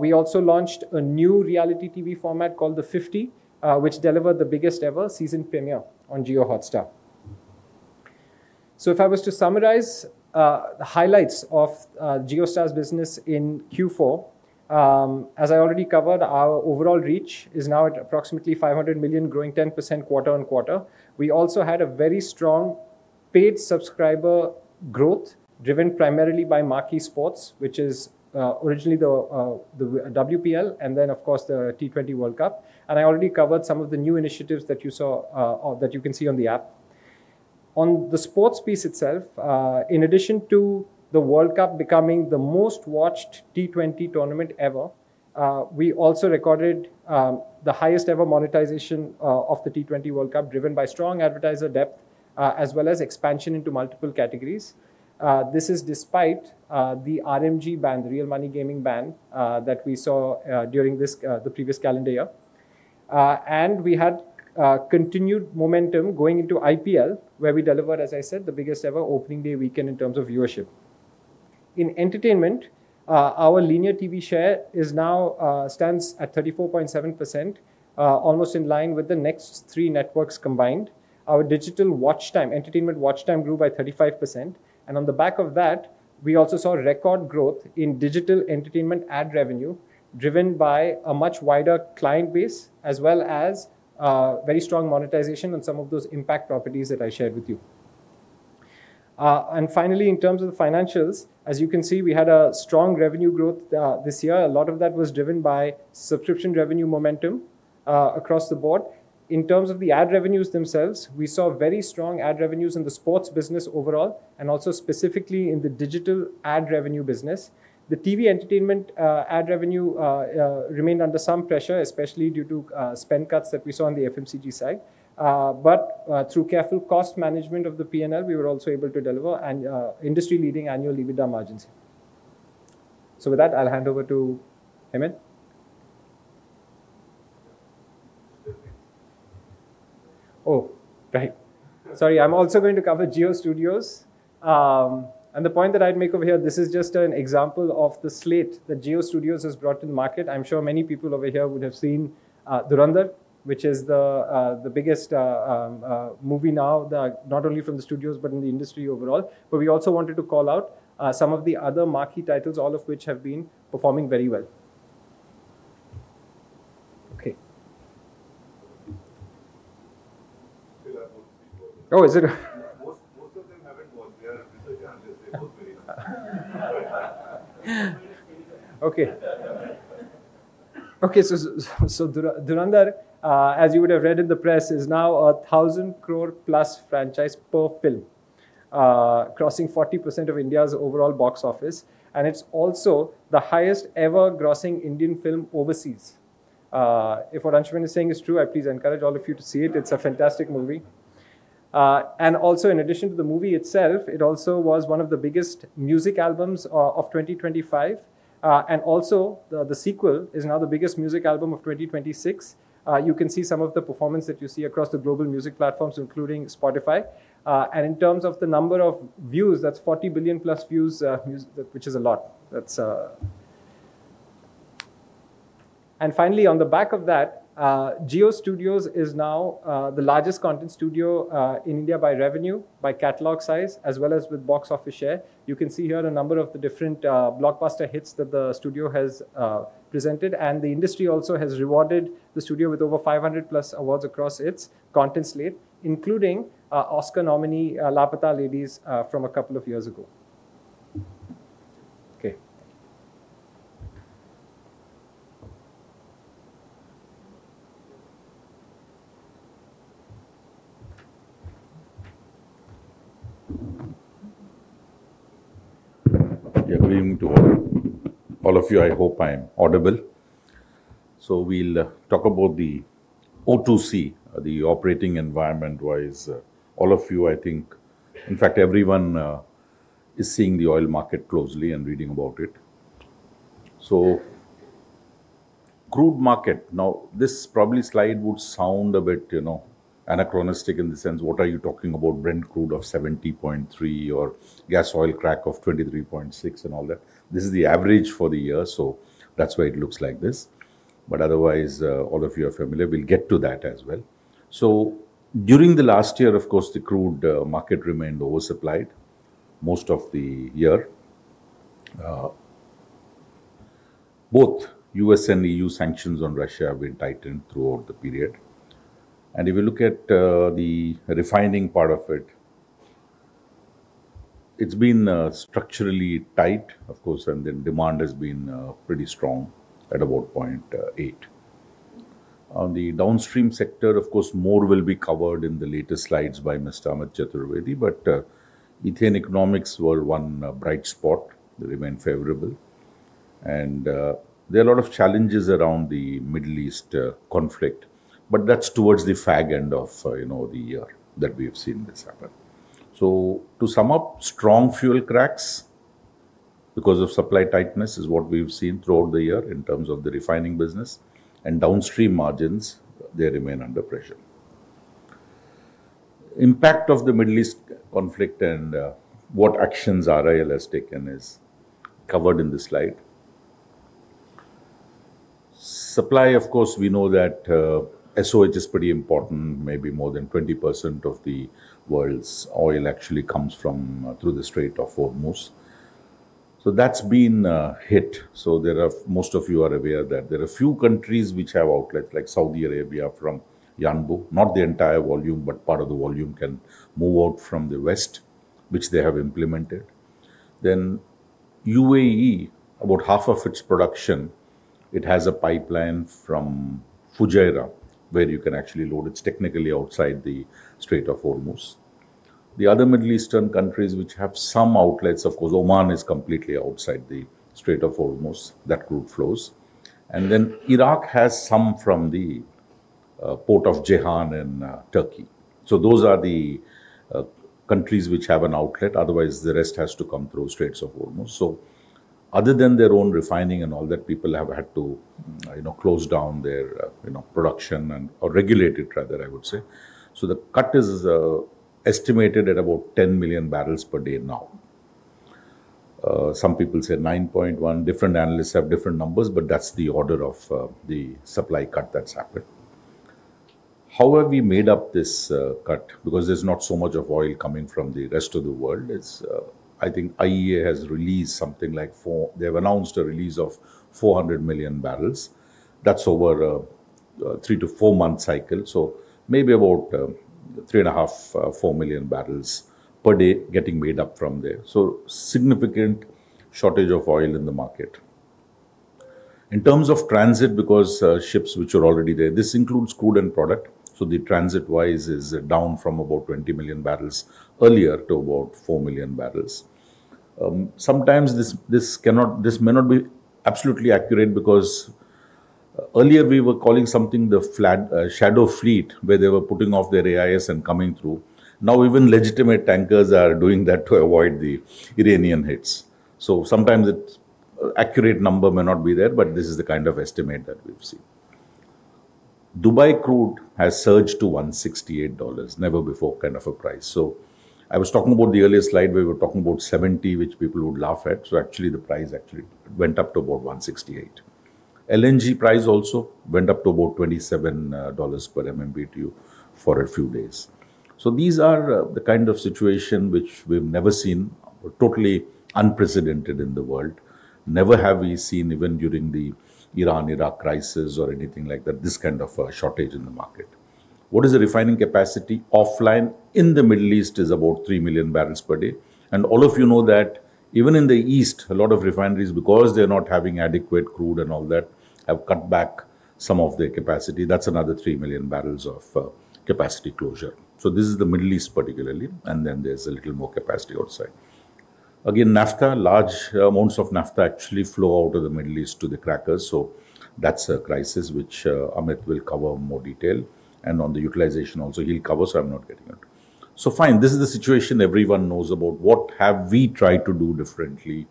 We also launched a new reality TV format called The Fifty, which delivered the biggest ever season premiere on JioHotstar. If I was to summarize the highlights of JioStar's business in Q4, as I already covered, our overall reach is now at approximately 500 million, growing 10% quarter-on-quarter. We also had a very strong paid subscriber growth driven primarily by Marquee Sports, which is originally the WPL, and then, of course, the T20 World Cup. I already covered some of the new initiatives that you saw or that you can see on the app. On the sports piece itself, in addition to the World Cup becoming the most watched T20 tournament ever, we also recorded the highest ever monetization of the T20 World Cup, driven by strong advertiser depth as well as expansion into multiple categories. This is despite the RMG ban, Real Money Gaming ban, that we saw during the previous calendar year. We had continued momentum going into IPL, where we delivered, as I said, the biggest ever opening day weekend in terms of viewership. In entertainment, our linear TV share now stands at 34.7%, almost in line with the next three networks combined. Our digital watch time, entertainment watch time grew by 35%. On the back of that, we also saw record growth in digital entertainment ad revenue, driven by a much wider client base as well as very strong monetization on some of those impact properties that I shared with you. Finally, in terms of the financials, as you can see, we had a strong revenue growth this year. A lot of that was driven by subscription revenue momentum across the board. In terms of the ad revenues themselves, we saw very strong ad revenues in the sports business overall, and also specifically in the digital ad revenue business. The TV entertainment ad revenue remained under some pressure, especially due to spend cuts that we saw on the FMCG side. But through careful cost management of the P&L, we were also able to deliver an industry-leading annual EBITDA margins. With that, I'll hand over to Hemant. Oh, right. Sorry, I'm also going to cover JioStudios. The point that I'd make over here, this is just an example of the slate that JioStudios has brought to the market. I'm sure many people over here would have seen Dhurandhar, which is the biggest movie now, not only from the studios, but in the industry overall. We also wanted to call out some of the other marquee titles, all of which have been performing very well. Okay. Oh, is it? Dhurandhar, as you would have read in the press, is now 1,000 crore+ franchise per film, crossing 40% of India's overall box office, and it's also the highest ever grossing Indian film overseas. If what Anshuman is saying is true, I please encourage all of you to see it. It's a fantastic movie. In addition to the movie itself, it also was one of the biggest music albums of 2025. The sequel is now the biggest music album of 2026. You can see some of the performance that you see across the global music platforms, including Spotify. In terms of the number of views, that's 40 billion+ views, which is a lot. Finally, on the back of that, Jio Studios is now the largest content studio in India by revenue, by catalog size, as well as with box office share. You can see here the number of the different blockbuster hits that the studio has presented. The industry also has rewarded the studio with over 500+ awards across its content slate, including Oscar nominee Laapataa Ladies from a couple of years ago. Okay. Good evening to all of you. I hope I'm audible. We'll talk about the O2C, the operating environment-wise. All of you, I think, in fact everyone, is seeing the oil market closely and reading about it. Crude market. Now, this probably slide would sound a bit, you know, anachronistic in the sense what are you talking about Brent crude of $70.3 or gas oil crack of $23.6 and all that. This is the average for the year, so that's why it looks like this. Otherwise, all of you are familiar. We'll get to that as well. During the last year, of course, the crude market remained oversupplied most of the year. Both U.S. and E.U. sanctions on Russia have been tightened throughout the period. If you look at the refining part of it's been structurally tight, of course, and the demand has been pretty strong at about 0.8. On the downstream sector, of course, more will be covered in the later slides by Mr. Amit Chaturvedi, but ethane economics were one bright spot. They remain favorable. There are a lot of challenges around the Middle East conflict, but that's towards the fag end of, you know, the year that we have seen this happen. To sum up, strong fuel cracks because of supply tightness is what we've seen throughout the year in terms of the refining business and downstream margins, they remain under pressure. Impact of the Middle East conflict and what actions RIL has taken is covered in this slide. Supply, of course, we know that SOH is pretty important, maybe more than 20% of the world's oil actually comes from through the Strait of Hormuz. That's been hit. There are few countries which have outlet, like Saudi Arabia from Yanbu. Not the entire volume, but part of the volume can move out from the west, which they have implemented. UAE, about half of its production, it has a pipeline from Fujairah, where you can actually load. It's technically outside the Strait of Hormuz. The other Middle Eastern countries which have some outlets, of course, Oman is completely outside the Strait of Hormuz, that route flows. Iraq has some from the Port of Ceyhan in Turkey. Those are the countries which have an outlet, otherwise the rest has to come through Straits of Hormuz. Other than their own refining and all that, people have had to, you know, close down their, you know, production or regulate it rather, I would say. The cut is estimated at about 10 million barrels per day now. Some people say 9.1. Different analysts have different numbers, but that's the order of the supply cut that's happened. How have we made up this cut? Because there's not so much of oil coming from the rest of the world. I think IEA has released something like 400 million barrels. They've announced a release of 400 million barrels. That's over a three-four-month cycle, so maybe about 3.5-4 million barrels per day getting made up from there. Significant shortage of oil in the market. In terms of transit, because ships which are already there, this includes crude and product, so the transit-wise is down from about 20 million barrels earlier to about 4 million barrels. Sometimes this may not be absolutely accurate because earlier we were calling something the flat dark shadow fleet, where they were putting off their AIS and coming through. Now, even legitimate tankers are doing that to avoid the Iranian hits. Sometimes it's accurate number may not be there, but this is the kind of estimate that we've seen. Dubai crude has surged to $168, never before kind of a price. I was talking about the earlier slide, we were talking about $70, which people would laugh at, actually the price actually went up to about $168. LNG price also went up to about $27 per MMBtu for a few days. These are the kind of situation which we've never seen, totally unprecedented in the world. Never have we seen even during the Iran-Iraq crisis or anything like that, this kind of a shortage in the market. What is the refining capacity offline in the Middle East? It is about 3 million barrels per day. All of you know that even in the East, a lot of refineries, because they're not having adequate crude and all that, have cut back some of their capacity. That's another 3 million barrels of capacity closure. This is the Middle East particularly, and then there's a little more capacity outside. Again, naphtha, large amounts of naphtha actually flow out of the Middle East to the crackers. That's a crisis which, Amit will cover in more detail. On the utilization also he'll cover, so I'm not getting into it. Fine, this is the situation everyone knows about. What have we tried to do differently?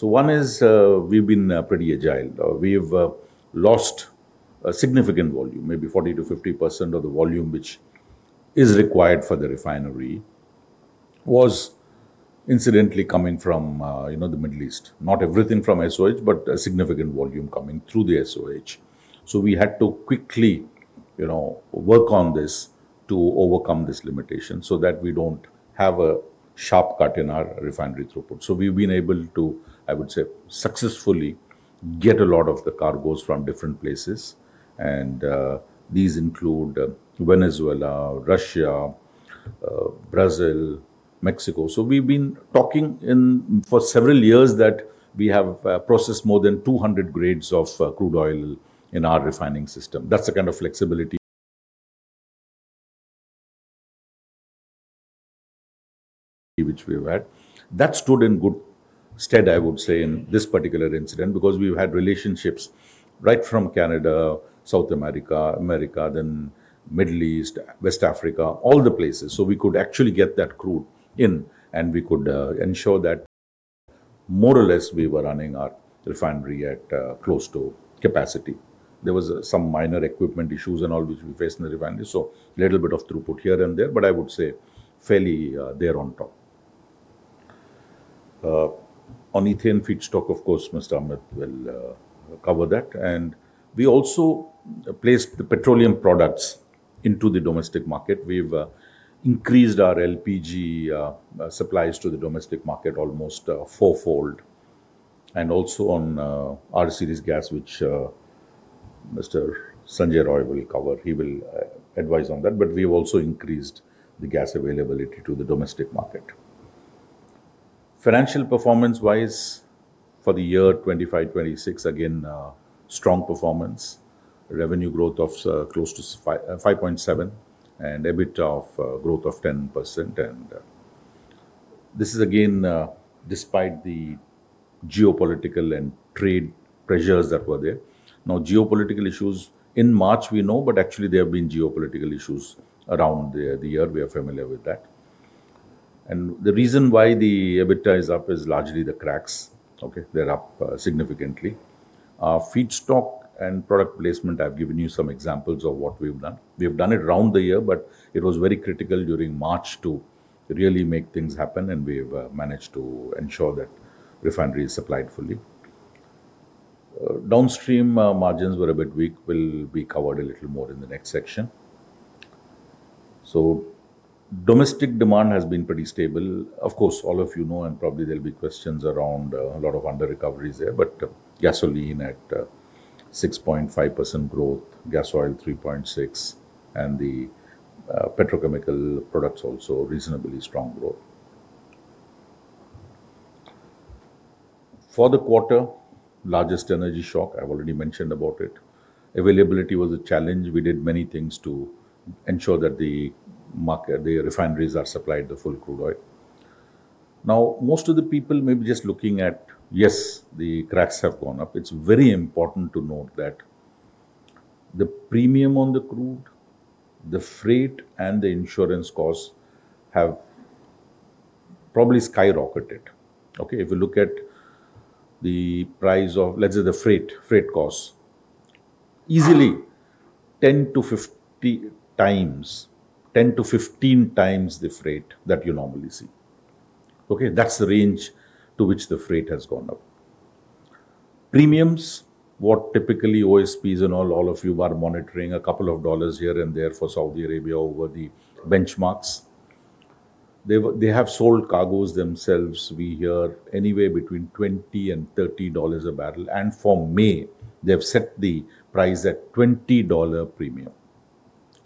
One is, we've been, pretty agile. We've lost a significant volume, maybe 40%-50% of the volume which is required for the refinery was incidentally coming from, you know, the Middle East. Not everything from SOH, but a significant volume coming through the SOH. We had to quickly, you know, work on this to overcome this limitation so that we don't have a sharp cut in our refinery throughput. We've been able to, I would say, successfully get a lot of the cargoes from different places, and these include Venezuela, Russia, Brazil, Mexico. We've been talking in for several years that we have processed more than 200 grades of crude oil in our refining system. That's the kind of flexibility which we've had. That stood in good stead, I would say, in this particular incident, because we've had relationships right from Canada, South America, then Middle East, West Africa, all the places. We could actually get that crude in, and we could ensure that more or less we were running our refinery at close to capacity. There was some minor equipment issues and all which we faced in the refinery, so little bit of throughput here and there, but I would say fairly there on top. On ethane feedstock, of course, Mr. Amit will cover that. We also placed the petroleum products into the domestic market. We've increased our LPG supplies to the domestic market almost fourfold, and also on R-Series gas, which Mr. Sanjay Roy will cover. He will advise on that. We've also increased the gas availability to the domestic market. Financial performance-wise, for the year 2025-2026, again, strong performance. Revenue growth of close to 5.7%, and EBIT growth of 10%. This is again despite the geopolitical and trade pressures that were there. Geopolitical issues in March we know, but actually there have been geopolitical issues around the year. We are familiar with that. The reason why the EBITDA is up is largely the cracks, okay? They're up significantly. Feedstock and product placement, I've given you some examples of what we've done. We have done it round the year, but it was very critical during March to really make things happen, and we've managed to ensure that refinery is supplied fully. Downstream margins were a bit weak. We'll be covered a little more in the next section. Domestic demand has been pretty stable. Of course, all of you know, and probably there'll be questions around a lot of under-recoveries there, but gasoline at 6.5% growth, gas oil 3.6%, and the petrochemical products also reasonably strong growth. For the quarter, largest energy shock, I've already mentioned about it. Availability was a challenge. We did many things to ensure that the market, the refineries are supplied the full crude oil. Now, most of the people may be just looking at, yes, the cracks have gone up. It's very important to note that the premium on the crude, the freight, and the insurance costs have probably skyrocketed, okay? If you look at the price of, let's say, the freight costs, easily 10x-50x, 10x-15x the freight that you normally see, okay? That's the range to which the freight has gone up. Premiums, what typically OSPs and all of you are monitoring, a couple of dollars here and there for Saudi Arabia over the benchmarks. They have sold cargoes themselves, we hear, anywhere between $20 and $30 a barrel, and for May, they have set the price at $20 premium.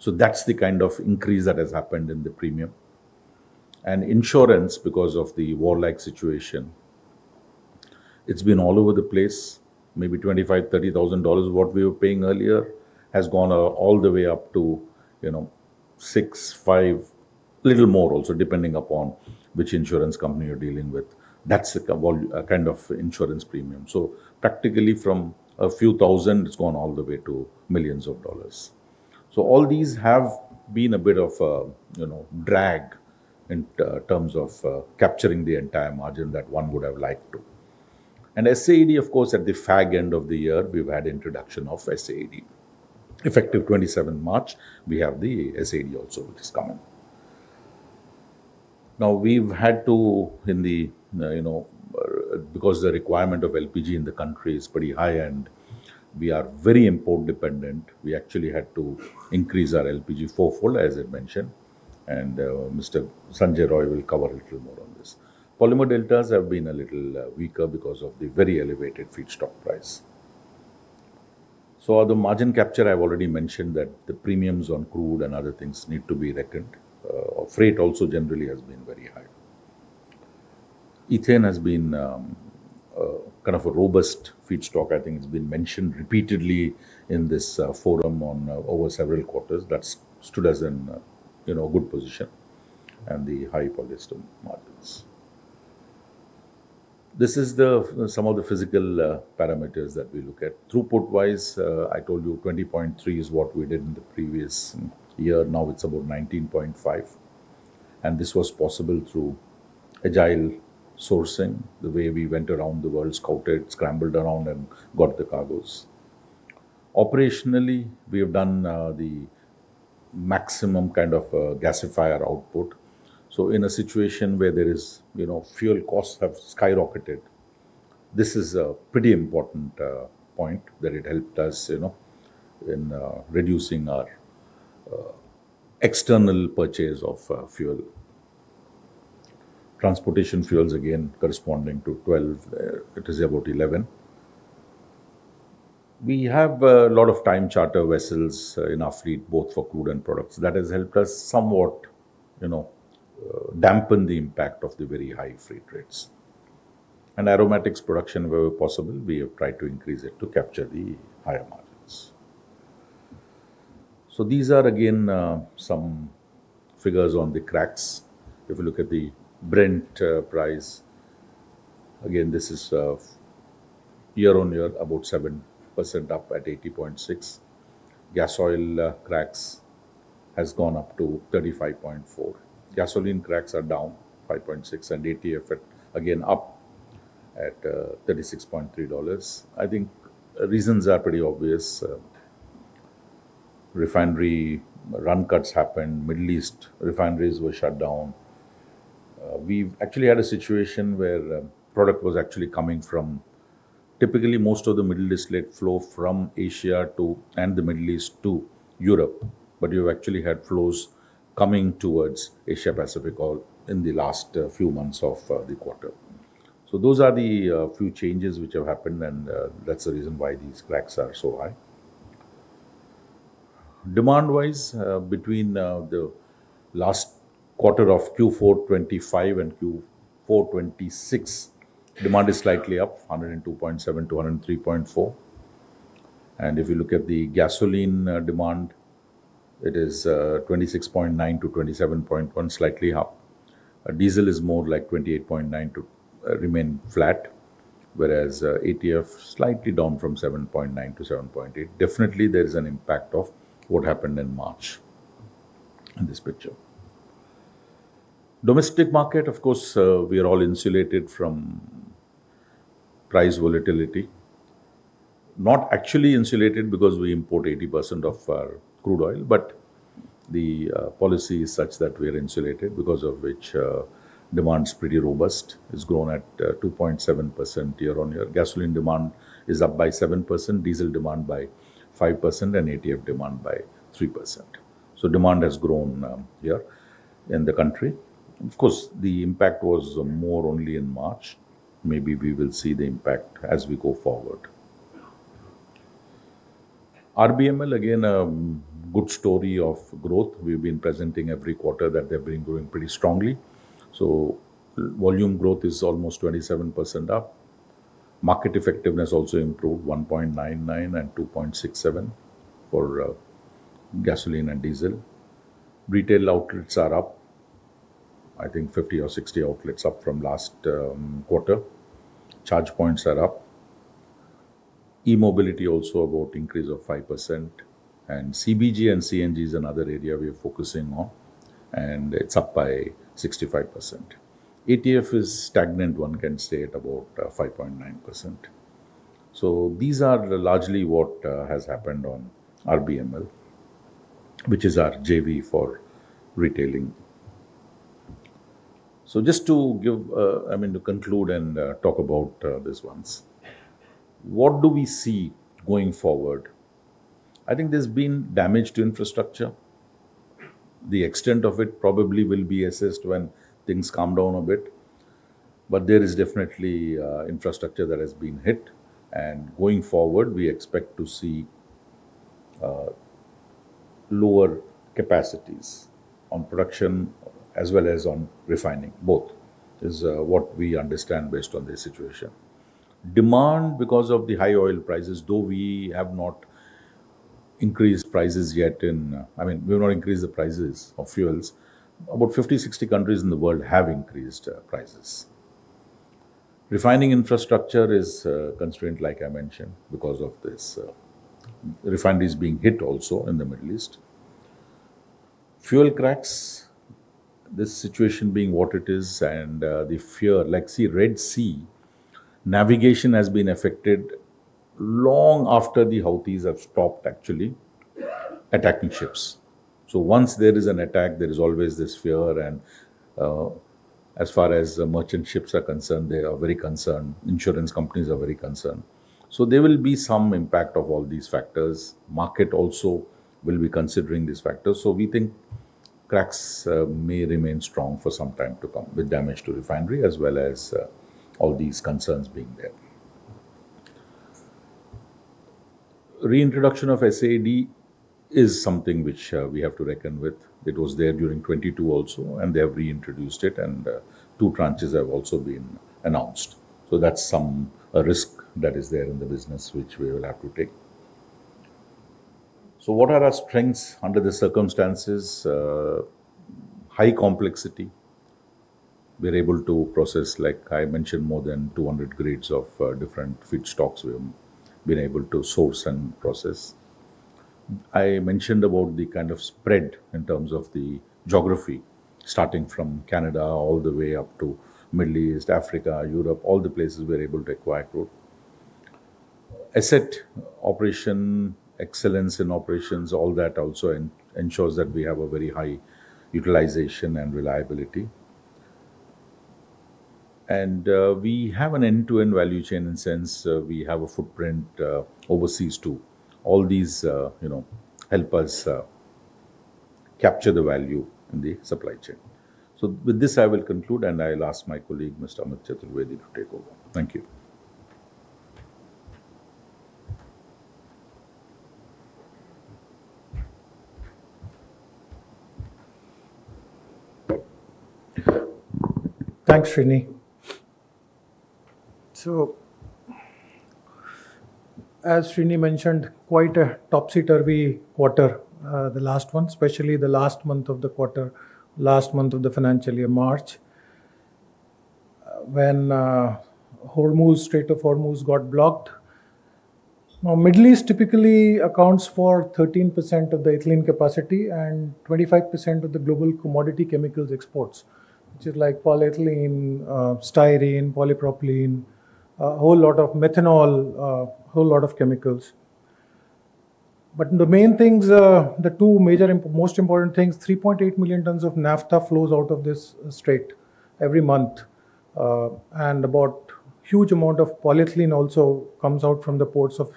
That's the kind of increase that has happened in the premium. Insurance, because of the warlike situation, it's been all over the place. Maybe $25,000-$30,000 is what we were paying earlier, has gone all the way up to, you know, $65, a little more also, depending upon which insurance company you're dealing with. That's the volatility kind of insurance premium. Practically from a few thousand, it's gone all the way to millions of dollars. All these have been a bit of a, you know, drag in terms of capturing the entire margin that one would have liked to. SAED, of course, at the fag end of the year, we've had introduction of SAED. Effective March 27th, we have the SAED also which is coming. Now, we've had to, you know, because the requirement of LPG in the country is pretty high, and we are very import dependent, we actually had to increase our LPG fourfold, as I mentioned, and Mr. Sanjay Roy will cover a little more on this. Polymer deltas have been a little weaker because of the very elevated feedstock price. So the margin capture, I've already mentioned that the premiums on crude and other things need to be reckoned. Freight also generally has been very high. Ethane has been kind of a robust feedstock. I think it's been mentioned repeatedly in this forum over several quarters. That's stood us in, you know, good position, and the high polyester margins. This is some of the physical parameters that we look at. Throughput-wise, I told you 20.3 is what we did in the previous year. Now it's about 19.5, and this was possible through agile sourcing, the way we went around the world, scouted, scrambled around, and got the cargoes. Operationally, we have done the maximum kind of gasifier output. In a situation where there is, you know, fuel costs have skyrocketed, this is a pretty important point that it helped us, you know, in reducing our external purchase of fuel. Transportation fuels, again, corresponding to 12, it is about 11. We have a lot of time charter vessels in our fleet, both for crude and products. That has helped us somewhat, you know, dampen the impact of the very high freight rates. Aromatics production, where possible, we have tried to increase it to capture the higher margins. These are again some figures on the cracks. If you look at the Brent price, again, this is year-on-year about 7% up at $80.6. Gas oil cracks have gone up to $35.4. Gasoline cracks are down $5.6, and ATF, again, up at $36.3. I think the reasons are pretty obvious. Refinery run cuts happened, the Middle East refineries were shut down. We've actually had a situation where product was actually coming from. Typically, most of the Middle East net flow from Asia to, and the Middle East to Europe, but we've actually had flows coming towards Asia Pacific all in the last few months of the quarter. Those are the few changes which have happened, and that's the reason why these cracks are so high. Demand-wise, between the last quarter of Q4 2025 and Q4 2026, demand is slightly up 102.7-103.4. If you look at the gasoline demand, it is 26.9-27.1, slightly up. Diesel is more like 28.9 to remain flat, whereas ATF slightly down from 7.9 to 7.8. Definitely, there is an impact of what happened in March in this picture. Domestic market, of course, we are all insulated from price volatility. Not actually insulated because we import 80% of our crude oil, but the policy is such that we are insulated because of which demand's pretty robust. It's grown at 2.7% year-on-year. Gasoline demand is up by 7%, diesel demand by 5%, and ATF demand by 3%. Demand has grown here in the country. Of course, the impact was more only in March. Maybe we will see the impact as we go forward. RBML, again, a good story of growth. We've been presenting every quarter, and they've been growing pretty strongly. Volume growth is almost 27% up. Market effectiveness also improved, 1.99 and 2.67 for gasoline and diesel. Retail outlets are up, I think 50 or 60 outlets up from last quarter. Charge points are up. E-mobility is also about an increase of 5%. CBG and CNG are another area we are focusing on, and it's up by 65%. ATF is stagnant, one can say, at about 5.9%. These are largely what has happened on RBML, which is our JV for retailing. Just to give, I mean, to conclude and talk about this once. What do we see going forward? I think there's been damage to the infrastructure. The extent of it will probably be assessed when things calm down a bit, but there is definitely infrastructure that has been hit. Going forward, we expect to see lower capacities on production as well as on refining, both is what we understand based on the situation. Demand because of the high oil prices, though we have not increased prices yet, I mean, we've not increased the prices of fuels. About 50 to 60 countries in the world have increased prices. Refining infrastructure is constrained, like I mentioned, because of this, refineries being hit also in the Middle East. Fuel cracks, this situation being what it is, and the fear. Like, Red Sea navigation has been affected long after the Houthis have stopped actually attacking ships. Once there is an attack, there is always this fear, and, as far as the merchant ships are concerned, they are very concerned. Insurance companies are very concerned. There will be some impact from all these factors. The market also will be considering these factors. We think cracks may remain strong for some time to come, with damage to the refinery as well as all these concerns being there. Reintroduction of SAED is something that we have to reckon with. It was there during 2022, and they have reintroduced it, and two tranches have also been announced. That's some risk that is there in the business, which we will have to take. What are our strengths under the circumstances? High complexity. We're able to process, as I mentioned, more than 200 grades of different feedstocks we have been able to source and process. I mentioned about the kind of spread in terms of the geography, starting from Canada all the way up to the Middle East, Africa, Europe, all the places we're able to acquire crude. Asset operation, excellence in operations, all that also ensures that we have a very high utilization and reliability. We have an end-to-end value chain in a sense. We have a footprint overseas too. All these, you know, help us capture the value in the supply chain. With this, I will conclude, and I'll ask my colleague, Mr. Amit Chaturvedi, to take over. Thank you. Thanks, Srini. As Srini mentioned, quite a topsy-turvy quarter, the last one, especially the last month of the quarter, last month of the financial year, March, when Hormuz, Strait of Hormuz got blocked. Middle East typically accounts for 13% of the ethylene capacity and 25% of the global commodity chemicals exports, which is like polyethylene, styrene, polypropylene, a whole lot of methanol, whole lot of chemicals. The main things, the two major most important things, 3.8 million tons of naphtha flows out of this strait every month, and about huge amount of polyethylene also comes out from the ports of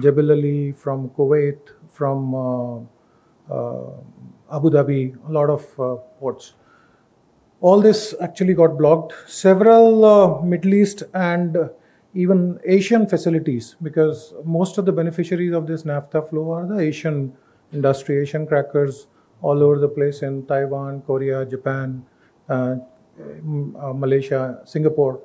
Jebel Ali, from Kuwait, from Abu Dhabi, a lot of ports. All this actually got blocked. Several Middle East and even Asian facilities, because most of the beneficiaries of this naphtha flow are the Asian industry, Asian crackers all over the place in Taiwan, Korea, Japan, Malaysia, Singapore.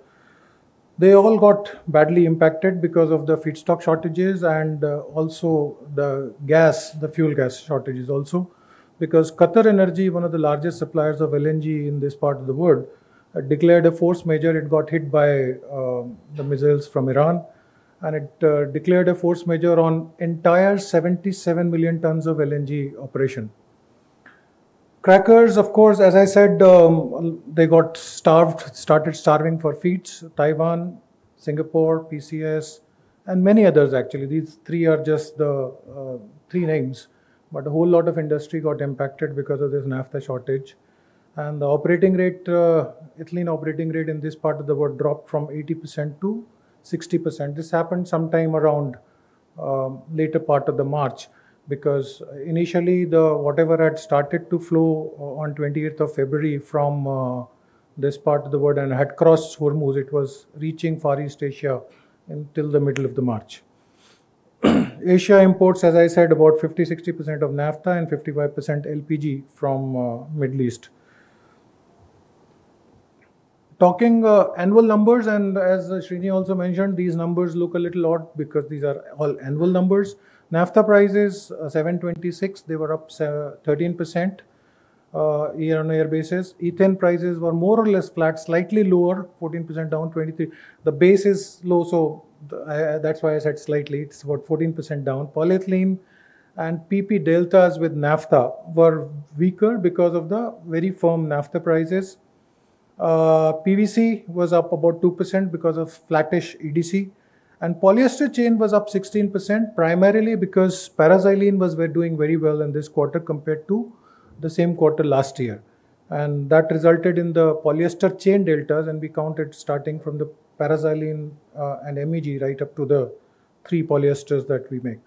They all got badly impacted because of the feedstock shortages and also the gas, the fuel gas shortages also. Because QatarEnergy, one of the largest suppliers of LNG in this part of the world, declared a force majeure. It got hit by the missiles from Iran, and it declared a force majeure on entire 77 million tons of LNG operation. Crackers, of course, as I said, they got starved, started starving for feeds, Taiwan, Singapore, PCS, and many others actually. These three are just the three names, but a whole lot of industry got impacted because of this naphtha shortage. The operating rate, ethylene operating rate in this part of the world dropped from 80% to 60%. This happened sometime around later part of March, because initially whatever had started to flow on February 20th from this part of the world and had crossed Hormuz, it was reaching Far East Asia until the middle of March. Asia imports, as I said, about 50%-60% of naphtha and 55% LPG from Middle East. Talking annual numbers, and as Srini also mentioned, these numbers look a little odd because these are all annual numbers. Naphtha prices, $726, they were up 13%, year-on-year basis. Ethane prices were more or less flat, slightly lower, 14% down, $0.23. The base is low, so that's why I said slightly. It's about 14% down. Polyethylene and PP deltas with naphtha were weaker because of the very firm naphtha prices. PVC was up about 2% because of flattish EDC. Polyester chain was up 16% primarily because paraxylene was doing very well in this quarter compared to the same quarter last year. That resulted in the polyester chain deltas, and we counted starting from the paraxylene and MEG right up to the three polyesters that we make.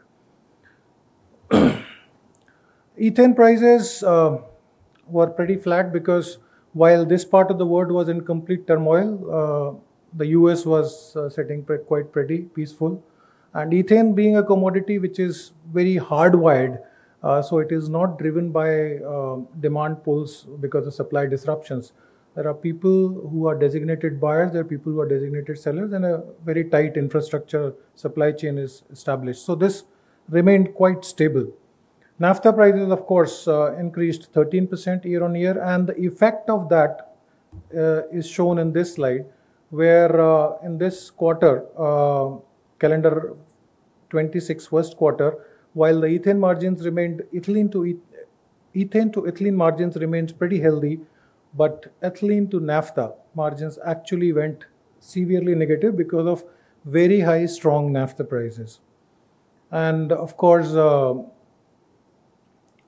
Ethane prices were pretty flat because while this part of the world was in complete turmoil, the U.S. was sitting pre-quite pretty peaceful. Ethane being a commodity which is very hardwired, so it is not driven by demand pulls because of supply disruptions. There are people who are designated buyers, there are people who are designated sellers, and a very tight infrastructure supply chain is established. This remained quite stable. Naphtha prices, of course, increased 13% year-on-year, and the effect of that is shown in this slide, where in this quarter, calendar 2026 first quarter, while the ethane to ethylene margins remain pretty healthy, but ethylene to naphtha margins actually went severely negative because of very high strong naphtha prices. Of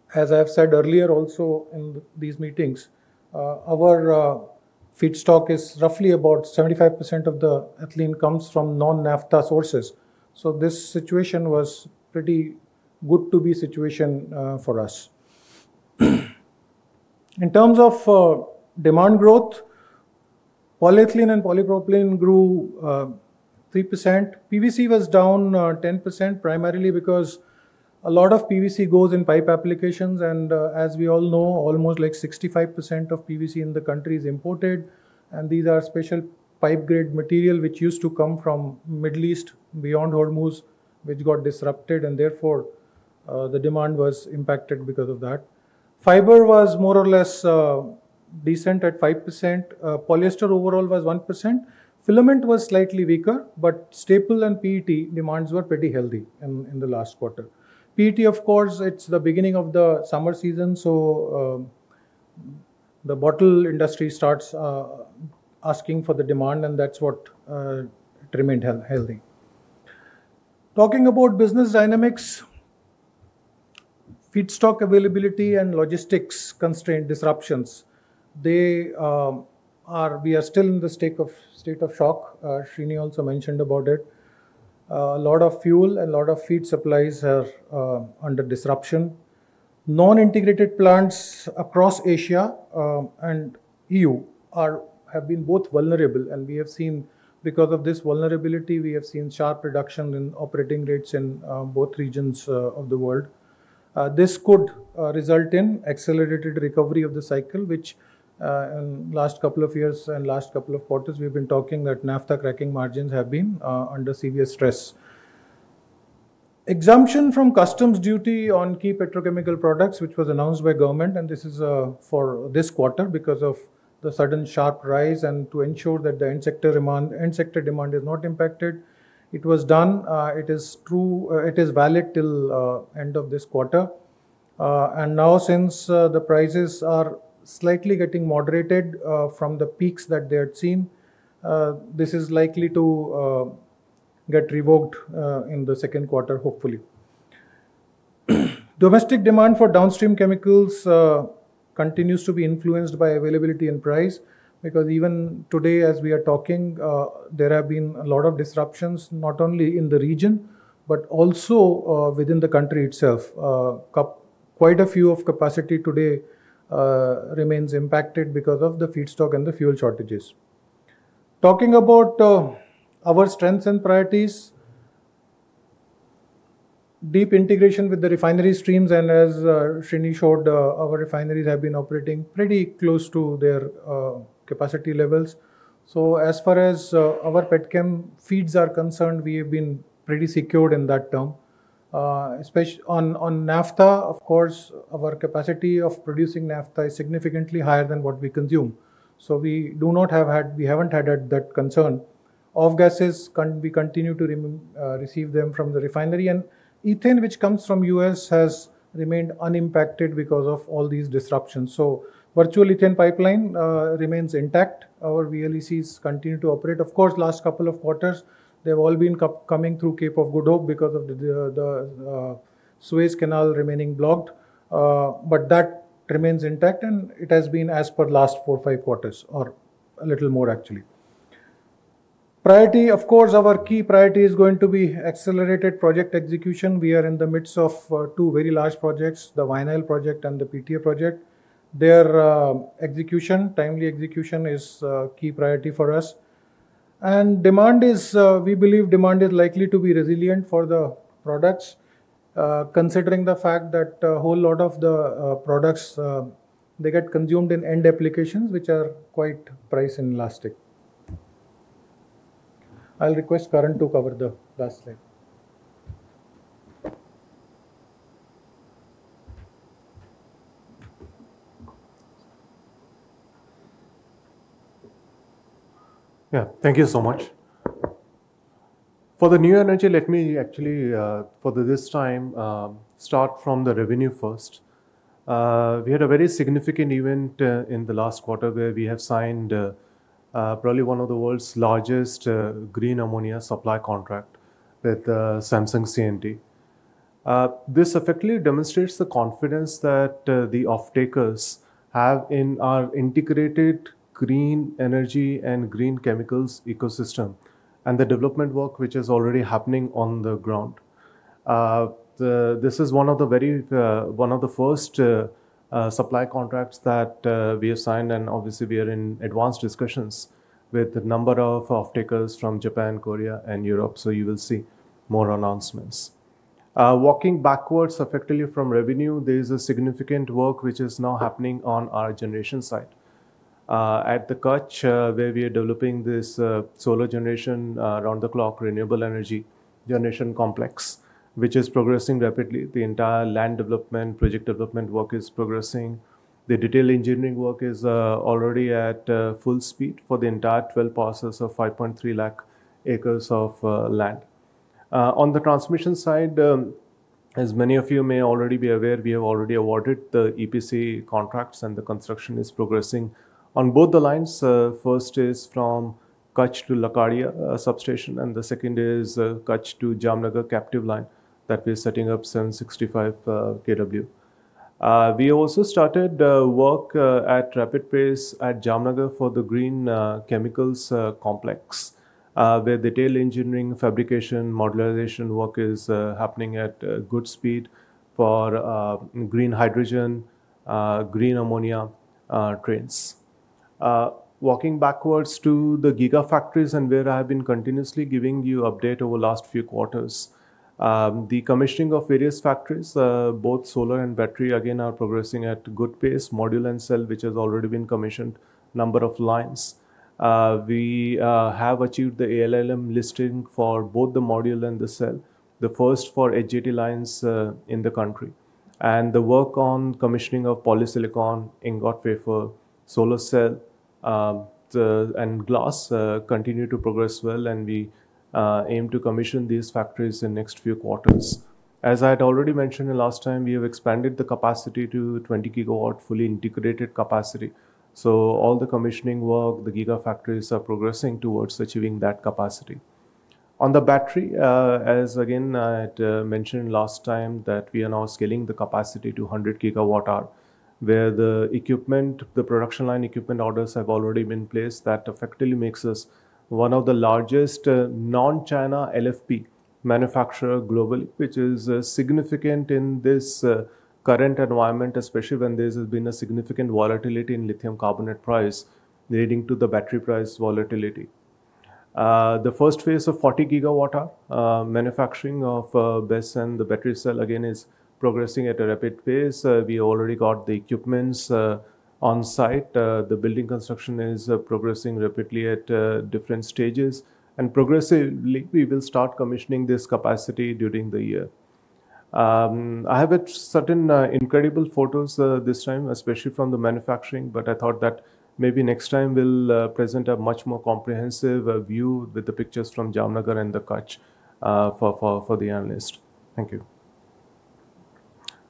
course, as I've said earlier also in these meetings, our feedstock is roughly about 75% of the ethylene comes from non-naphtha sources. This situation was pretty good situation for us. In terms of demand growth, polyethylene and polypropylene grew 3%. PVC was down 10% primarily because a lot of PVC goes in pipe applications, and as we all know, almost like 65% of PVC in the country is imported, and these are special pipe grade material which used to come from Middle East beyond Hormuz, which got disrupted, and therefore the demand was impacted because of that. Fiber was more or less decent at 5%. Polyester overall was 1%. Filament was slightly weaker, but staple and PET demands were pretty healthy in the last quarter. PET, of course, it's the beginning of the summer season, so the bottle industry starts asking for the demand, and that's what remained healthy. Talking about business dynamics, feedstock availability and logistics constraint disruptions, we are still in the state of shock. Srini also mentioned about it. A lot of fuel and a lot of feed supplies are under disruption. Non-integrated plants across Asia and EU have been both vulnerable, and we have seen sharp reduction in operating rates in both regions of the world because of this vulnerability. This could result in accelerated recovery of the cycle, which last couple of years and last couple of quarters, we've been talking that naphtha cracking margins have been under severe stress. Exemption from customs duty on key petrochemical products, which was announced by government, and this is for this quarter because of the sudden sharp rise and to ensure that the end sector demand is not impacted. It was done, it is valid till end of this quarter. Now since the prices are slightly getting moderated from the peaks that they had seen, this is likely to get revoked in the second quarter, hopefully. Domestic demand for downstream chemicals continues to be influenced by availability and price, because even today as we are talking, there have been a lot of disruptions, not only in the region, but also within the country itself. Quite a bit of capacity today remains impacted because of the feedstock and the fuel shortages. Talking about our strengths and priorities. Deep integration with the refinery streams, and as Srini showed, our refineries have been operating pretty close to their capacity levels. As far as our petchem feeds are concerned, we have been pretty secured in that term. On naphtha, of course, our capacity of producing naphtha is significantly higher than what we consume. We haven't had that concern. Off-gases we continue to receive them from the refinery. Ethane, which comes from U.S., has remained unimpacted because of all these disruptions. Virtual ethane pipeline remains intact. Our VLECs continue to operate. Of course, last couple of quarters, they've all been coming through Cape of Good Hope because of the Suez Canal remaining blocked. That remains intact, and it has been as per last four, five quarters, or a little more actually. Priority, of course, our key priority is going to be accelerated project execution. We are in the midst of two very large projects, the vinyl project and the PTA project. Their timely execution is a key priority for us. We believe demand is likely to be resilient for the products, considering the fact that a whole lot of the products they get consumed in end applications, which are quite price inelastic. I'll request Karan to cover the last slide. Yeah. Thank you so much. For the new energy, let me actually this time start from the revenue first. We had a very significant event in the last quarter where we have signed probably one of the world's largest green ammonia supply contract with Samsung C&T. This effectively demonstrates the confidence that the off-takers have in our integrated green energy and green chemicals ecosystem, and the development work which is already happening on the ground. This is one of the very first supply contracts that we have signed, and obviously we are in advanced discussions with a number of off-takers from Japan, Korea, and Europe. You will see more announcements. Working backwards effectively from revenue, there is a significant work which is now happening on our generation side. At the Kutch, where we are developing this solar generation around-the-clock renewable energy generation complex, which is progressing rapidly. The entire land development, project development work is progressing. The detailed engineering work is already at full speed for the entire 12 parcels of 5.3 lakh acres of land. On the transmission side, as many of you may already be aware, we have already awarded the EPC contracts, and the construction is progressing on both lines. First is from Kutch to Lakadia substation, and the second is Kutch to Jamnagar captive line that we are setting up 765 kV. We also started work at rapid pace at Jamnagar for the green chemicals complex, where detail engineering, fabrication, modularization work is happening at good speed for green hydrogen, green ammonia, trains. Walking backwards to the gigafactories and where I have been continuously giving you update over last few quarters. The commissioning of various factories, both solar and battery, again, are progressing at good pace. Module and cell, which has already been commissioned, number of lines. We have achieved the ALMM listing for both the module and the cell, the first for HJT lines, in the country. The work on commissioning of polysilicon ingot wafer, solar cell, and glass continue to progress well, and we aim to commission these factories in next few quarters. As I had already mentioned the last time, we have expanded the capacity to 20 GW fully integrated capacity. All the commissioning work, the gigafactories are progressing towards achieving that capacity. On the battery, as again, I'd mentioned last time that we are now scaling the capacity to 100 GWh, where the equipment, the production line equipment orders have already been placed. That effectively makes us one of the largest, non-China LFP manufacturer globally, which is, significant in this, current environment, especially when there's been a significant volatility in lithium carbonate price leading to the battery price volatility. The first phase of 40 GWh, manufacturing of, BESS and the battery cell, again, is progressing at a rapid pace. We already got the equipment on site. The building construction is progressing rapidly at, different stages. Progressively, we will start commissioning this capacity during the year. I have certain incredible photos this time, especially from the manufacturing, but I thought that maybe next time we'll present a much more comprehensive view with the pictures from Jamnagar and the Kutch for the analyst. Thank you.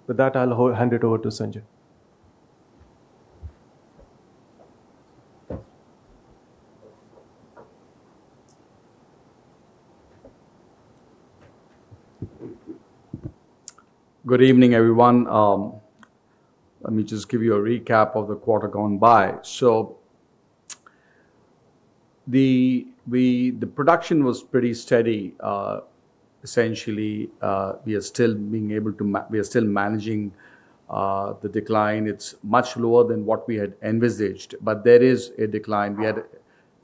With that, I'll hand it over to Sanjay. Good evening, everyone. Let me just give you a recap of the quarter gone by. The production was pretty steady. Essentially, we are still managing the decline. It's much lower than what we had envisaged, but there is a decline. We had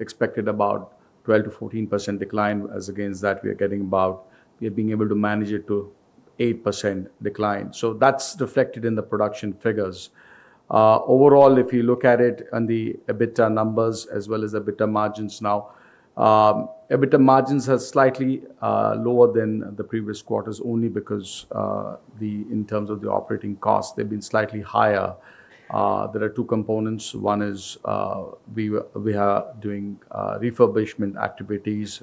expected about 12%-14% decline as against that we are getting about. We are being able to manage it to 8% decline. That's reflected in the production figures. Overall, if you look at it on the EBITDA numbers as well as EBITDA margins now, EBITDA margins are slightly lower than the previous quarters only because in terms of the operating costs, they've been slightly higher. There are two components. One is, we are doing refurbishment activities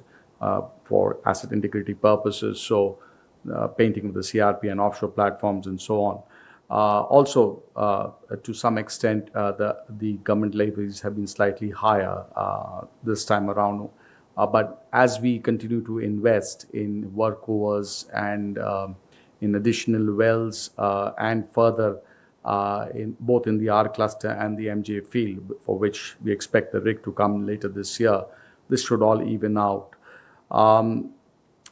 for asset integrity purposes, so painting of the CRP and offshore platforms and so on. Also, to some extent, the government levies have been slightly higher this time around. As we continue to invest in workovers and in additional wells, and further in both the R Cluster and the MJ field for which we expect the rig to come later this year, this should all even out.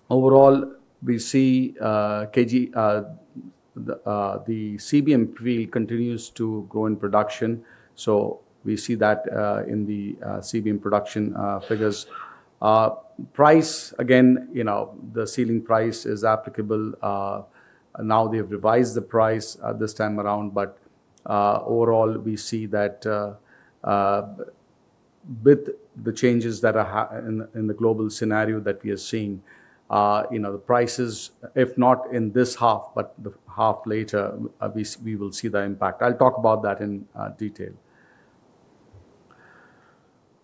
Overall, we see the CBM field continues to grow in production, so we see that in the CBM production figures. Price, again, you know, the ceiling price is applicable. Now they've revised the price this time around. Overall, we see that with the changes that are in the global scenario that we are seeing, you know, the prices, if not in this half, but the latter half, we will see the impact. I'll talk about that in detail.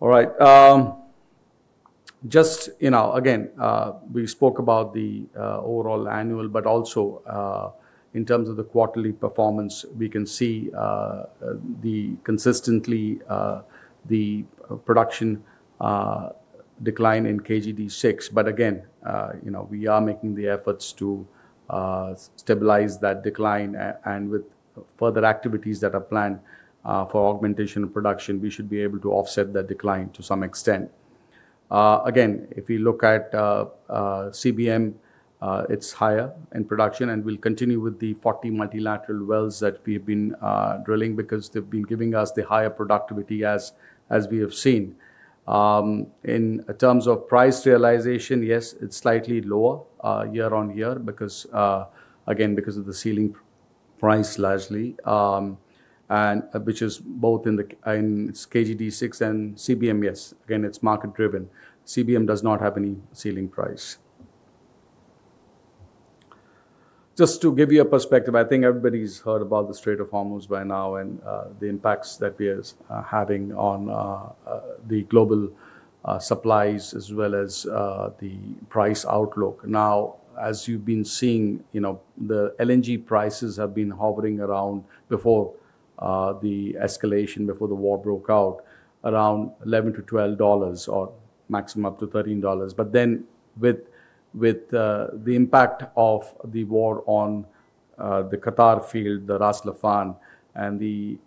All right. Just, you know, again, we spoke about the overall annual, but also in terms of the quarterly performance, we can see the consistent production decline in KG-D6. Again, you know, we are making the efforts to stabilize that decline and with further activities that are planned for augmentation of production, we should be able to offset that decline to some extent. Again, if you look at CBM, it's higher in production, and we'll continue with the 40 multilateral wells that we've been drilling because they've been giving us the higher productivity as we have seen. In terms of price realization, yes, it's slightly lower year-on-year because, again, because of the ceiling price largely, and which is both in the KG-D6 and CBM, yes. Again, it's market-driven. CBM does not have any ceiling price. Just to give you a perspective, I think everybody's heard about the Strait of Hormuz by now and the impacts that we are having on the global supplies as well as the price outlook. Now, as you've been seeing, you know, the LNG prices have been hovering around before the escalation, before the war broke out, around $11-$12 or maximum up to $13. With the impact of the war on the Qatar field, the Ras Laffan, and the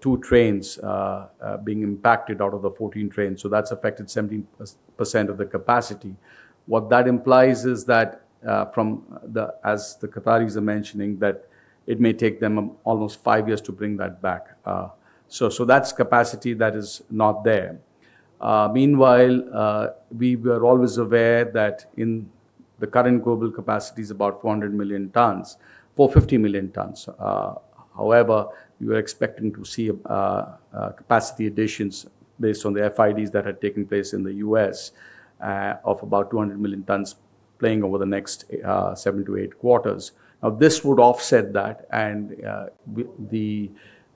two trains being impacted out of the 14 trains, that's affected 70% of the capacity. What that implies is that, from, as the Qataris are mentioning, that it may take them almost five years to bring that back. That's capacity that is not there. Meanwhile, we were always aware that in- The current global capacity is about 400 million tons, 450 million tons. However, we are expecting to see capacity additions based on the FIDs that had taken place in the U.S., of about 200 million tons planned over the next seven to eight quarters. Now, this would offset that and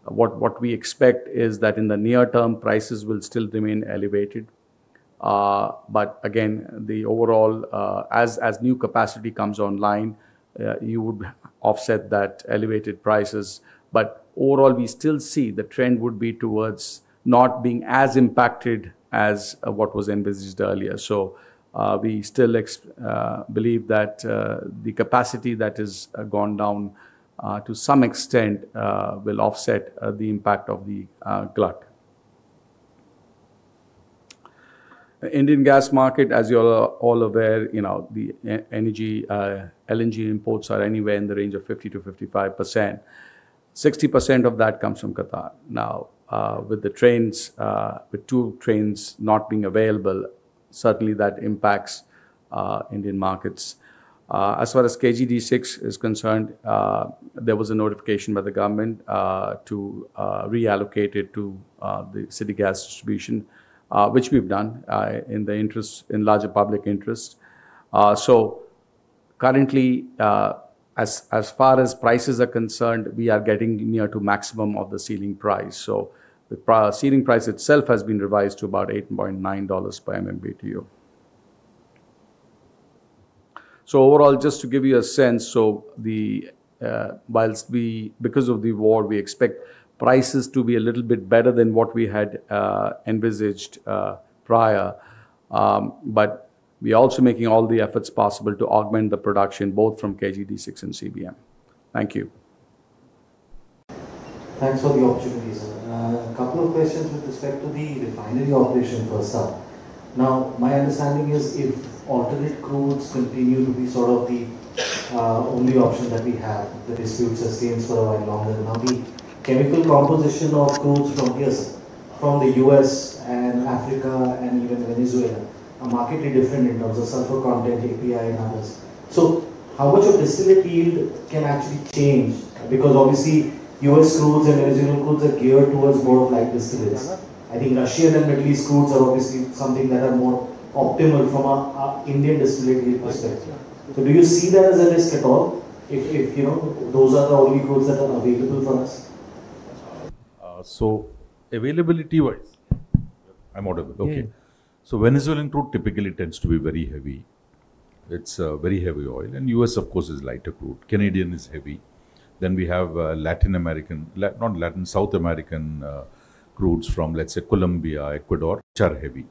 what we expect is that in the near term, prices will still remain elevated. Again, the overall, as new capacity comes online, you would offset that elevated prices. Overall, we still see the trend would be towards not being as impacted as what was envisaged earlier. We still believe that the capacity that has gone down to some extent will offset the impact of the glut. Indian gas market, as you're all aware, you know, the energy, LNG imports are anywhere in the range of 50%-55%. 60% of that comes from Qatar. Now, with the trains, with two trains not being available, certainly that impacts Indian markets. As far as KG-D6 is concerned, there was a notification by the government to reallocate it to the city gas distribution, which we've done in the interest, in larger public interest. So currently, as far as prices are concerned, we are getting near to maximum of the ceiling price. Ceiling price itself has been revised to about $8.9 per MMBtu. Overall, just to give you a sense, because of the war, we expect prices to be a little bit better than what we had envisaged prior. We are also making all the efforts possible to augment the production both from KG-D6 and CBM. Thank you. Thanks for the opportunity, sir. A couple of questions with respect to the refinery operation, first up. Now, my understanding is if alternate crudes continue to be sort of the only option that we have, the disputes seem for a while longer than now. The chemical composition of crudes from, yes, from the U.S., Africa, and even Venezuela are markedly different in terms of sulfur content, API, and others. How much of the distillate yield can actually change? Because obviously, U.S. crudes and Venezuelan crudes are geared towards more of light distillates. I think Russian and Middle East crudes are obviously something that are more optimal from an Indian distillate yield perspective. Do you see that as a risk at all if, you know, those are the only crudes that are available for us? Availability-wise. I'm audible. Yeah. Okay. Venezuelan crude typically tends to be very heavy. It's very heavy oil. U.S., of course, is lighter crude. Canadian is heavy. We have South American crudes from, let's say, Colombia, Ecuador, which are heavy.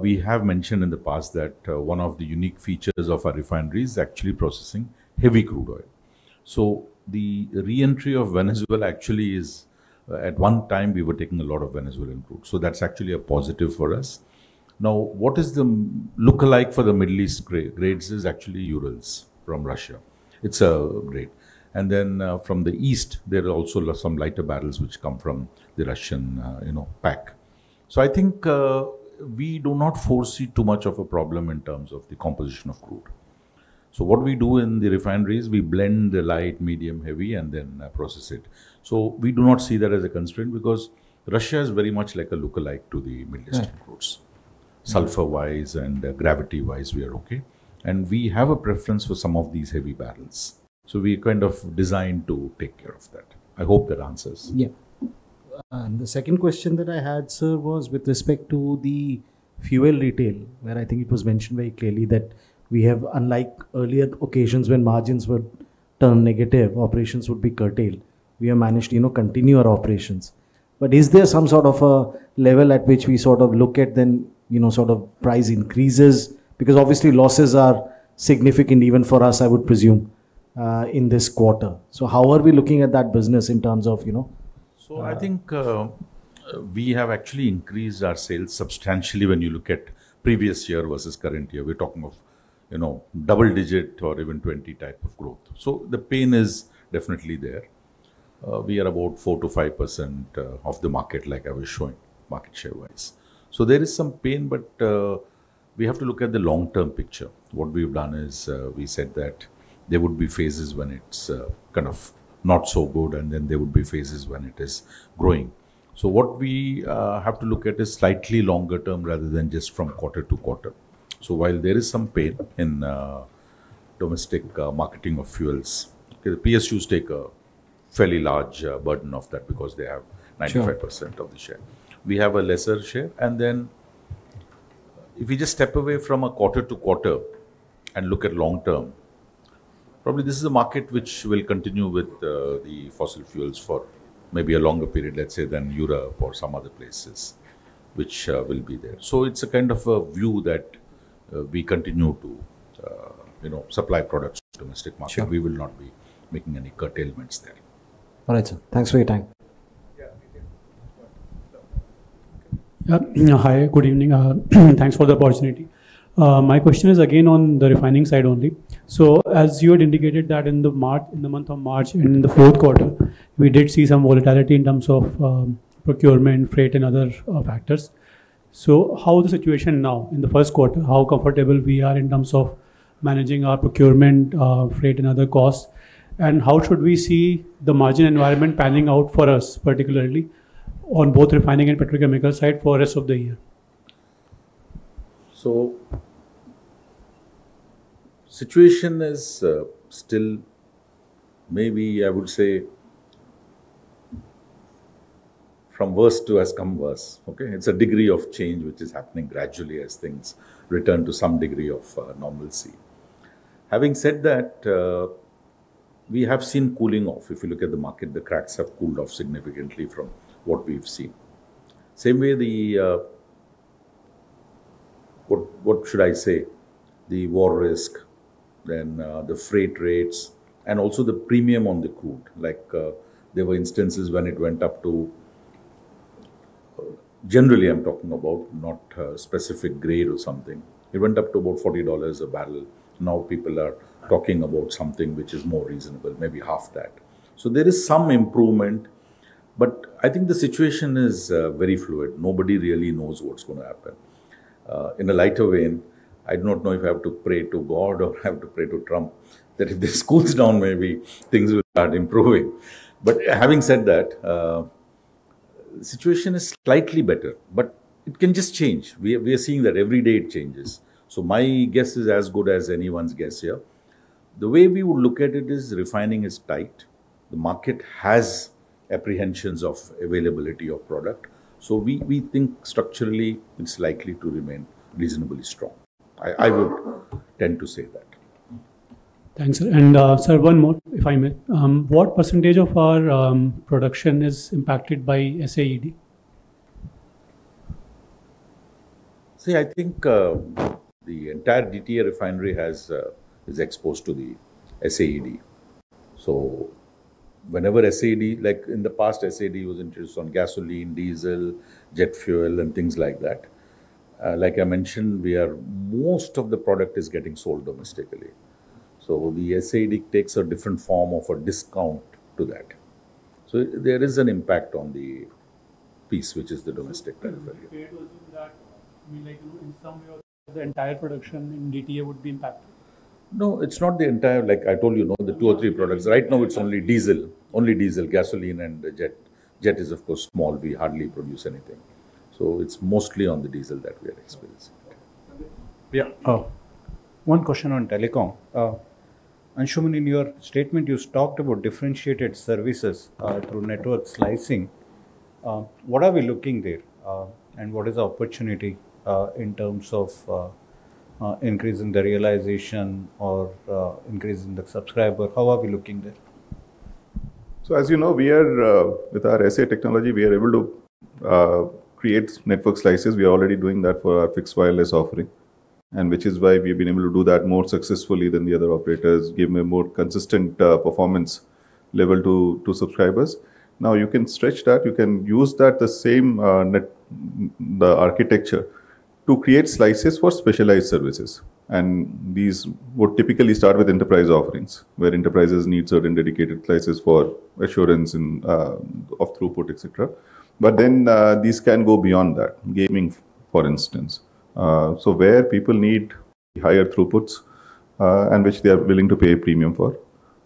We have mentioned in the past that one of the unique features of our refinery is actually processing heavy crude oil. The re-entry of Venezuela actually is, at one time, we were taking a lot of Venezuelan crude, so that's actually a positive for us. Now, what is the main lookalike for the Middle East grades is actually Urals from Russia. It's a grade. From the East, there are also some lighter barrels which come from the Russian, you know, pack. I think we do not foresee too much of a problem in terms of the composition of crude. What we do in the refineries, we blend the light, medium, heavy, and then process it. We do not see that as a constraint because Russia is very much like a lookalike to the Middle Eastern- Yeah ...crudes. Sulfur-wise and gravity-wise, we are okay. We have a preference for some of these heavy barrels, so we kind of designed to take care of that. I hope that answers. Yeah. The second question that I had, sir, was with respect to the fuel retail, where I think it was mentioned very clearly that we have, unlike earlier occasions when margins were turned negative, operations would be curtailed. We have managed, you know, continue our operations. Is there some sort of a level at which we sort of look at then, you know, sort of price increases? Because obviously losses are significant even for us, I would presume, in this quarter. How are we looking at that business in terms of, you know- I think we have actually increased our sales substantially when you look at previous year versus current year. We're talking of, you know, double-digit or even 20-type of growth. The pain is definitely there. We are about 4%-5% of the market, like I was showing, market share-wise. There is some pain, but we have to look at the long-term picture. What we've done is, we said that there would be phases when it's kind of not so good, and then there would be phases when it is growing. What we have to look at is slightly longer-term rather than just from quarter to quarter. While there is some pain in domestic marketing of fuels, the PSUs take a fairly large burden of that because they have- Sure. 95% of the share. We have a lesser share. Then if we just step away from a quarter-to-quarter and look at long-term, probably this is a market which will continue with the fossil fuels for maybe a longer period, let's say, than Europe or some other places which will be there. It's a kind of a view that we continue to, you know, supply products to domestic market. Sure. We will not be making any curtailments there. All right, sir. Thanks for your time. Yeah. You can go on. Yeah. Hi, good evening. Thanks for the opportunity. My question is again on the refining side only. As you had indicated that in the month of March and in the fourth quarter, we did see some volatility in terms of procurement, freight, and other factors. How is the situation now in the first quarter? How comfortable we are in terms of managing our procurement, freight and other costs? How should we see the margin environment panning out for us, particularly on both refining and petrochemical side for rest of the year? Situation is still maybe I would say from worse to worse. Okay? It's a degree of change which is happening gradually as things return to some degree of normalcy. Having said that, we have seen cooling off. If you look at the market, the cracks have cooled off significantly from what we've seen. Same way the. What should I say? The war risk, then, the freight rates, and also the premium on the crude. Like, there were instances when it went up to. Generally, I'm talking about, not specific grade or something. It went up to about $40 a barrel. Now people are talking about something which is more reasonable, maybe half that. There is some improvement, but I think the situation is very fluid. Nobody really knows what's gonna happen. In a lighter vein, I do not know if I have to pray to God or I have to pray to Trump, that if this cools down, maybe things will start improving. Having said that, situation is slightly better, but it can just change. We are seeing that every day it changes. My guess is as good as anyone's guess here. The way we would look at it is refining is tight. The market has apprehensions of availability of product. We think structurally it's likely to remain reasonably strong. I would tend to say that. Thanks, sir. Sir, one more, if I may. What percentage of our production is impacted by SAED? See, I think, the entire DTA refinery is exposed to the SAED. Whenever SAED was introduced, like in the past, on gasoline, diesel, jet fuel and things like that. Like I mentioned, most of the product is getting sold domestically. The SAED takes a different form of a discount to that. There is an impact on the price, which is the domestic territory. The impact was in that, I mean, like in some way or the entire production in DTA would be impacted? No, it's not the entire. Like I told you, no, the two or three products. Right now it's only diesel, gasoline and the jet. Jet is of course small. We hardly produce anything. It's mostly on the diesel that we are experiencing it. Yeah. One question on telecom. Anshuman, in your statement, you talked about differentiated services through network slicing. What are we looking there, and what is the opportunity in terms of increase in the realization or increase in the subscriber? How are we looking there? As you know, we are with our SA technology, we are able to create network slices. We are already doing that for our fixed wireless offering, and which is why we've been able to do that more successfully than the other operators, giving a more consistent performance level to subscribers. Now, you can stretch that. You can use that, the same network architecture to create slices for specialized services. These would typically start with enterprise offerings, where enterprises need certain dedicated slices for assurance and of throughput, et cetera. These can go beyond that. Gaming, for instance. Where people need higher throughputs, and which they are willing to pay a premium for.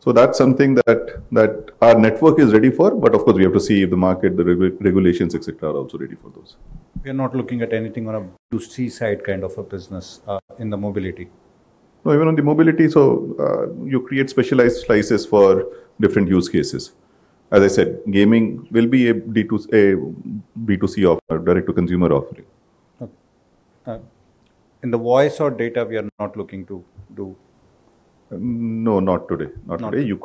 That's something that our network is ready for. Of course, we have to see if the market, the regulations, et cetera, are also ready for those. We are not looking at anything on a B2C side kind of a business in the mobility? No, even on the mobility, you create specialized slices for different use cases. As I said, gaming will be a B2C offer, direct to consumer offering. Okay. In the voice or data we are not looking to do? No, not today. You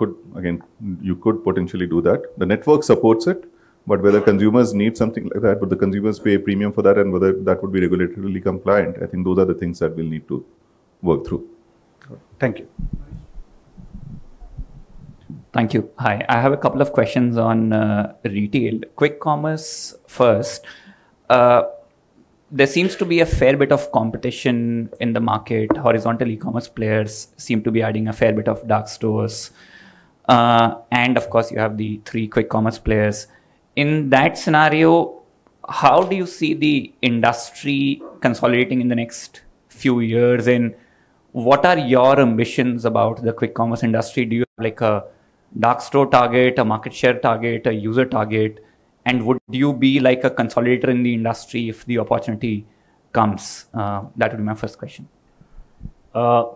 could potentially do that. The network supports it, but whether consumers need something like that, would the consumers pay a premium for that, and whether that would be regulatorily compliant, I think those are the things that we'll need to work through. Thank you. Thank you. Hi. I have a couple of questions on retail. Quick commerce first. There seems to be a fair bit of competition in the market. Horizontal e-commerce players seem to be adding a fair bit of dark stores. Of course, you have the three quick commerce players. In that scenario, how do you see the industry consolidating in the next few years, and what are your ambitions about the quick commerce industry? Do you have like a dark store target, a market share target, a user target? Would you be like a consolidator in the industry if the opportunity comes? That would be my first question.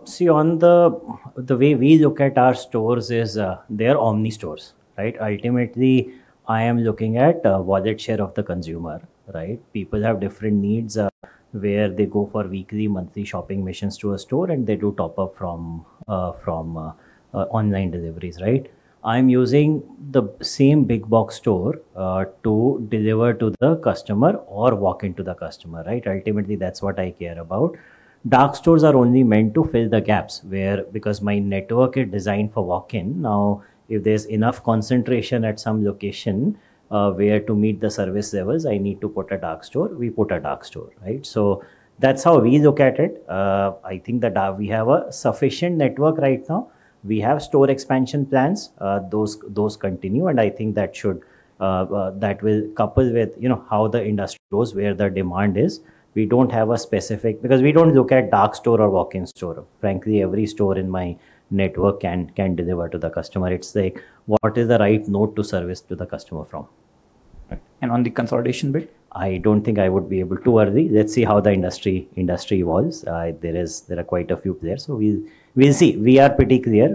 See, the way we look at our stores is, they are omni stores, right? Ultimately, I am looking at wallet share of the consumer, right? People have different needs, where they go for weekly, monthly shopping missions to a store and they do top up from online deliveries, right? I'm using the same big box store to deliver to the customer or walk in to the customer, right? Ultimately, that's what I care about. Dark stores are only meant to fill the gaps where, because my network is designed for walk-in. Now, if there's enough concentration at some location, where to meet the service levels, I need to put a dark store, we put a dark store, right? That's how we look at it. I think that we have a sufficient network right now. We have store expansion plans. Those continue, and I think that will couple with, you know, how the industry goes, where the demand is. We don't have a specific. Because we don't look at dark store or walk-in store. Frankly, every store in my network can deliver to the customer. It's like what is the right node to service to the customer from. Right. On the consolidation bit? I don't think I would be able to worry. Let's see how the industry evolves. There are quite a few players, so we'll see. We are pretty clear.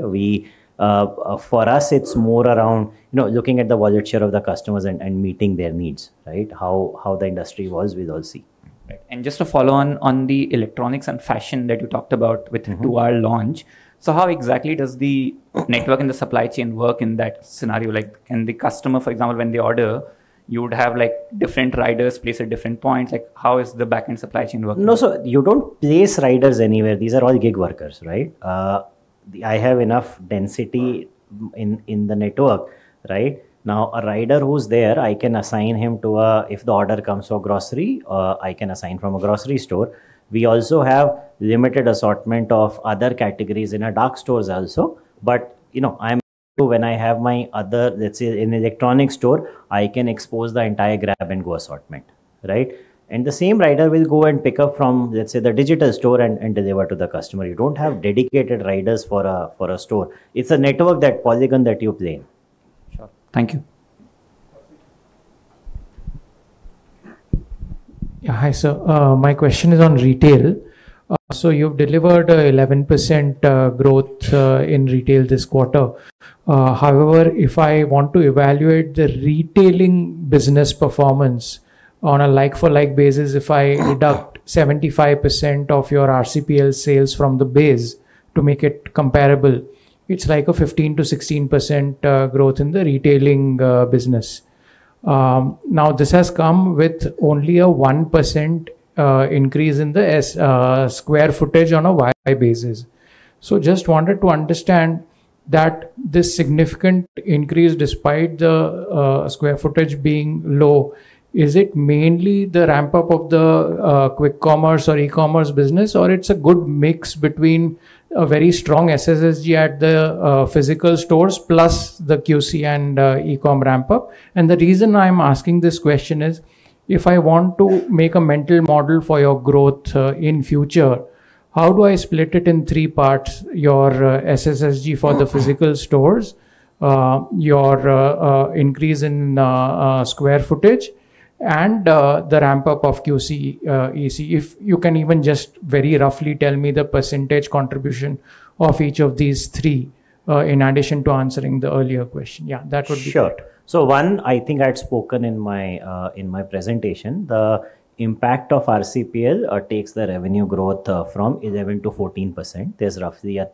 For us, it's more around, you know, looking at the wallet share of the customers and meeting their needs, right? How the industry evolves, we'll all see. Right. Just to follow on the electronics and fashion that you talked about. Mm-hmm. With two-hour launch. How exactly does the network and the supply chain work in that scenario? Like, can the customer, for example, when they order, you would have like different riders placed at different points. Like, how is the backend supply chain working? No. You don't place riders anywhere. These are all gig workers, right? I have enough density in the network, right? Now, a rider who's there, I can assign him. If the order comes for grocery, I can assign from a grocery store. We also have limited assortment of other categories in our dark stores also. You know, when I have my other, let's say an electronic store, I can expose the entire Grab & Go assortment, right? The same rider will go and pick up from, let's say, the digital store and deliver to the customer. You don't have dedicated riders for a store. It's a network, that polygon that you play in. Sure. Thank you. Hi, sir. My question is on retail. So you've delivered 11% growth in retail this quarter. However, if I want to evaluate the retailing business performance on a like-for-like basis, if I deduct 75% of your RCPL sales from the base to make it comparable, it's like a 15%-16% growth in the retailing business. Now, this has come with only a 1% increase in the square footage on a YoY basis. Just wanted to understand that this significant increase despite the square footage being low, is it mainly the ramp-up of the quick commerce or e-commerce business, or it's a good mix between a very strong SSSG at the physical stores plus the QC and e-com ramp-up? The reason I'm asking this question is, if I want to make a mental model for your growth in future, how do I split it in three parts, your SSSG for the physical stores, your increase in square footage, and the ramp-up of QC, EC? If you can even just very roughly tell me the percentage contribution of each of these three in addition to answering the earlier question. Yeah, that would be great. Sure. One, I think I'd spoken in my, in my presentation, the impact of RCPL takes the revenue growth from 11% to 14%. There's roughly a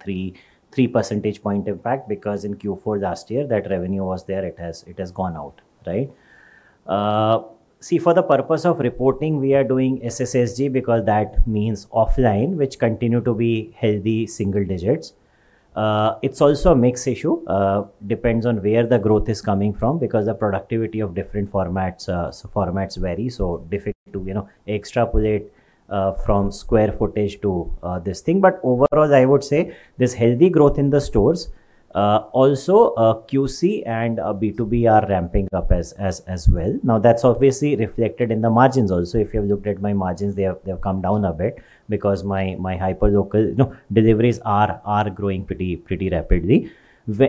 three percentage point impact because in Q4 last year that revenue was there. It has gone out, right? See, for the purpose of reporting, we are doing SSSG because that means offline, which continue to be healthy single digits. It's also a mix issue. Depends on where the growth is coming from because the productivity of different formats, so formats vary, so difficult to, you know, extrapolate from square footage to this thing. But overall, I would say there's healthy growth in the stores. Also, QC and B2B are ramping up as well. Now that's obviously reflected in the margins also. If you have looked at my margins, they have come down a bit because my hyperlocal, you know, deliveries are growing pretty rapidly.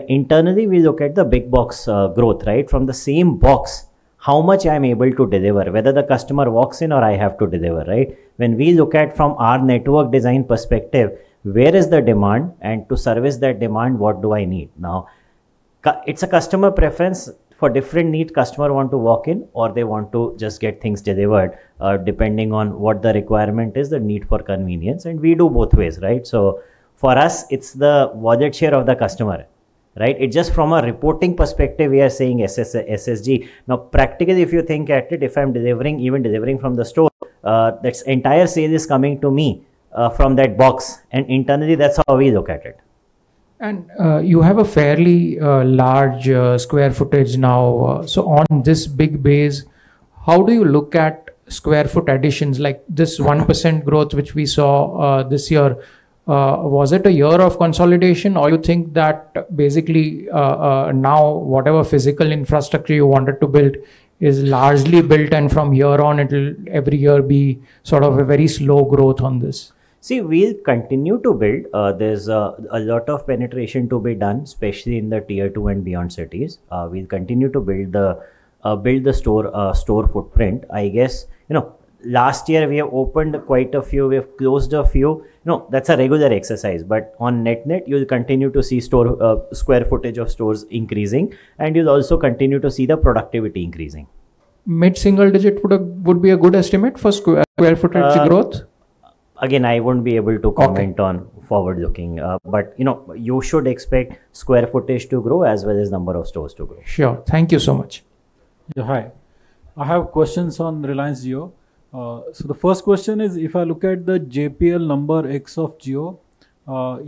Internally, we look at the big box growth, right? From the same box, how much I'm able to deliver, whether the customer walks in or I have to deliver, right? When we look at from our network design perspective, where is the demand, and to service that demand, what do I need? Now, it's a customer preference. For different need, customer want to walk in, or they want to just get things delivered, depending on what the requirement is, the need for convenience, and we do both ways, right? For us, it's the wallet share of the customer, right? It's just from a reporting perspective, we are saying SSG. Now, practically, if you think about it, if I'm delivering, even delivering from the store, that's the entire sale coming to me, from that box. Internally, that's how we look at it. You have a fairly large square footage now. On this big base, how do you look at square foot additions like this 1% growth which we saw this year? Was it a year of consolidation, or you think that basically now whatever physical infrastructure you wanted to build is largely built, and from here on, it'll every year be sort of a very slow growth on this? See, we'll continue to build. There's a lot of penetration to be done, especially in the tier two and beyond cities. We'll continue to build the store footprint. I guess, you know, last year we have opened quite a few. We have closed a few. You know, that's a regular exercise. But on net net, you'll continue to see store square footage of stores increasing, and you'll also continue to see the productivity increasing. Mid-single digit would be a good estimate for square footage growth? Again, I won't be able to. Okay. You know, you should expect square footage to grow as well as number of stores to grow. Sure. Thank you so much. Hi. I have questions on Reliance Jio. The first question is, if I look at the JPL numbers of Jio,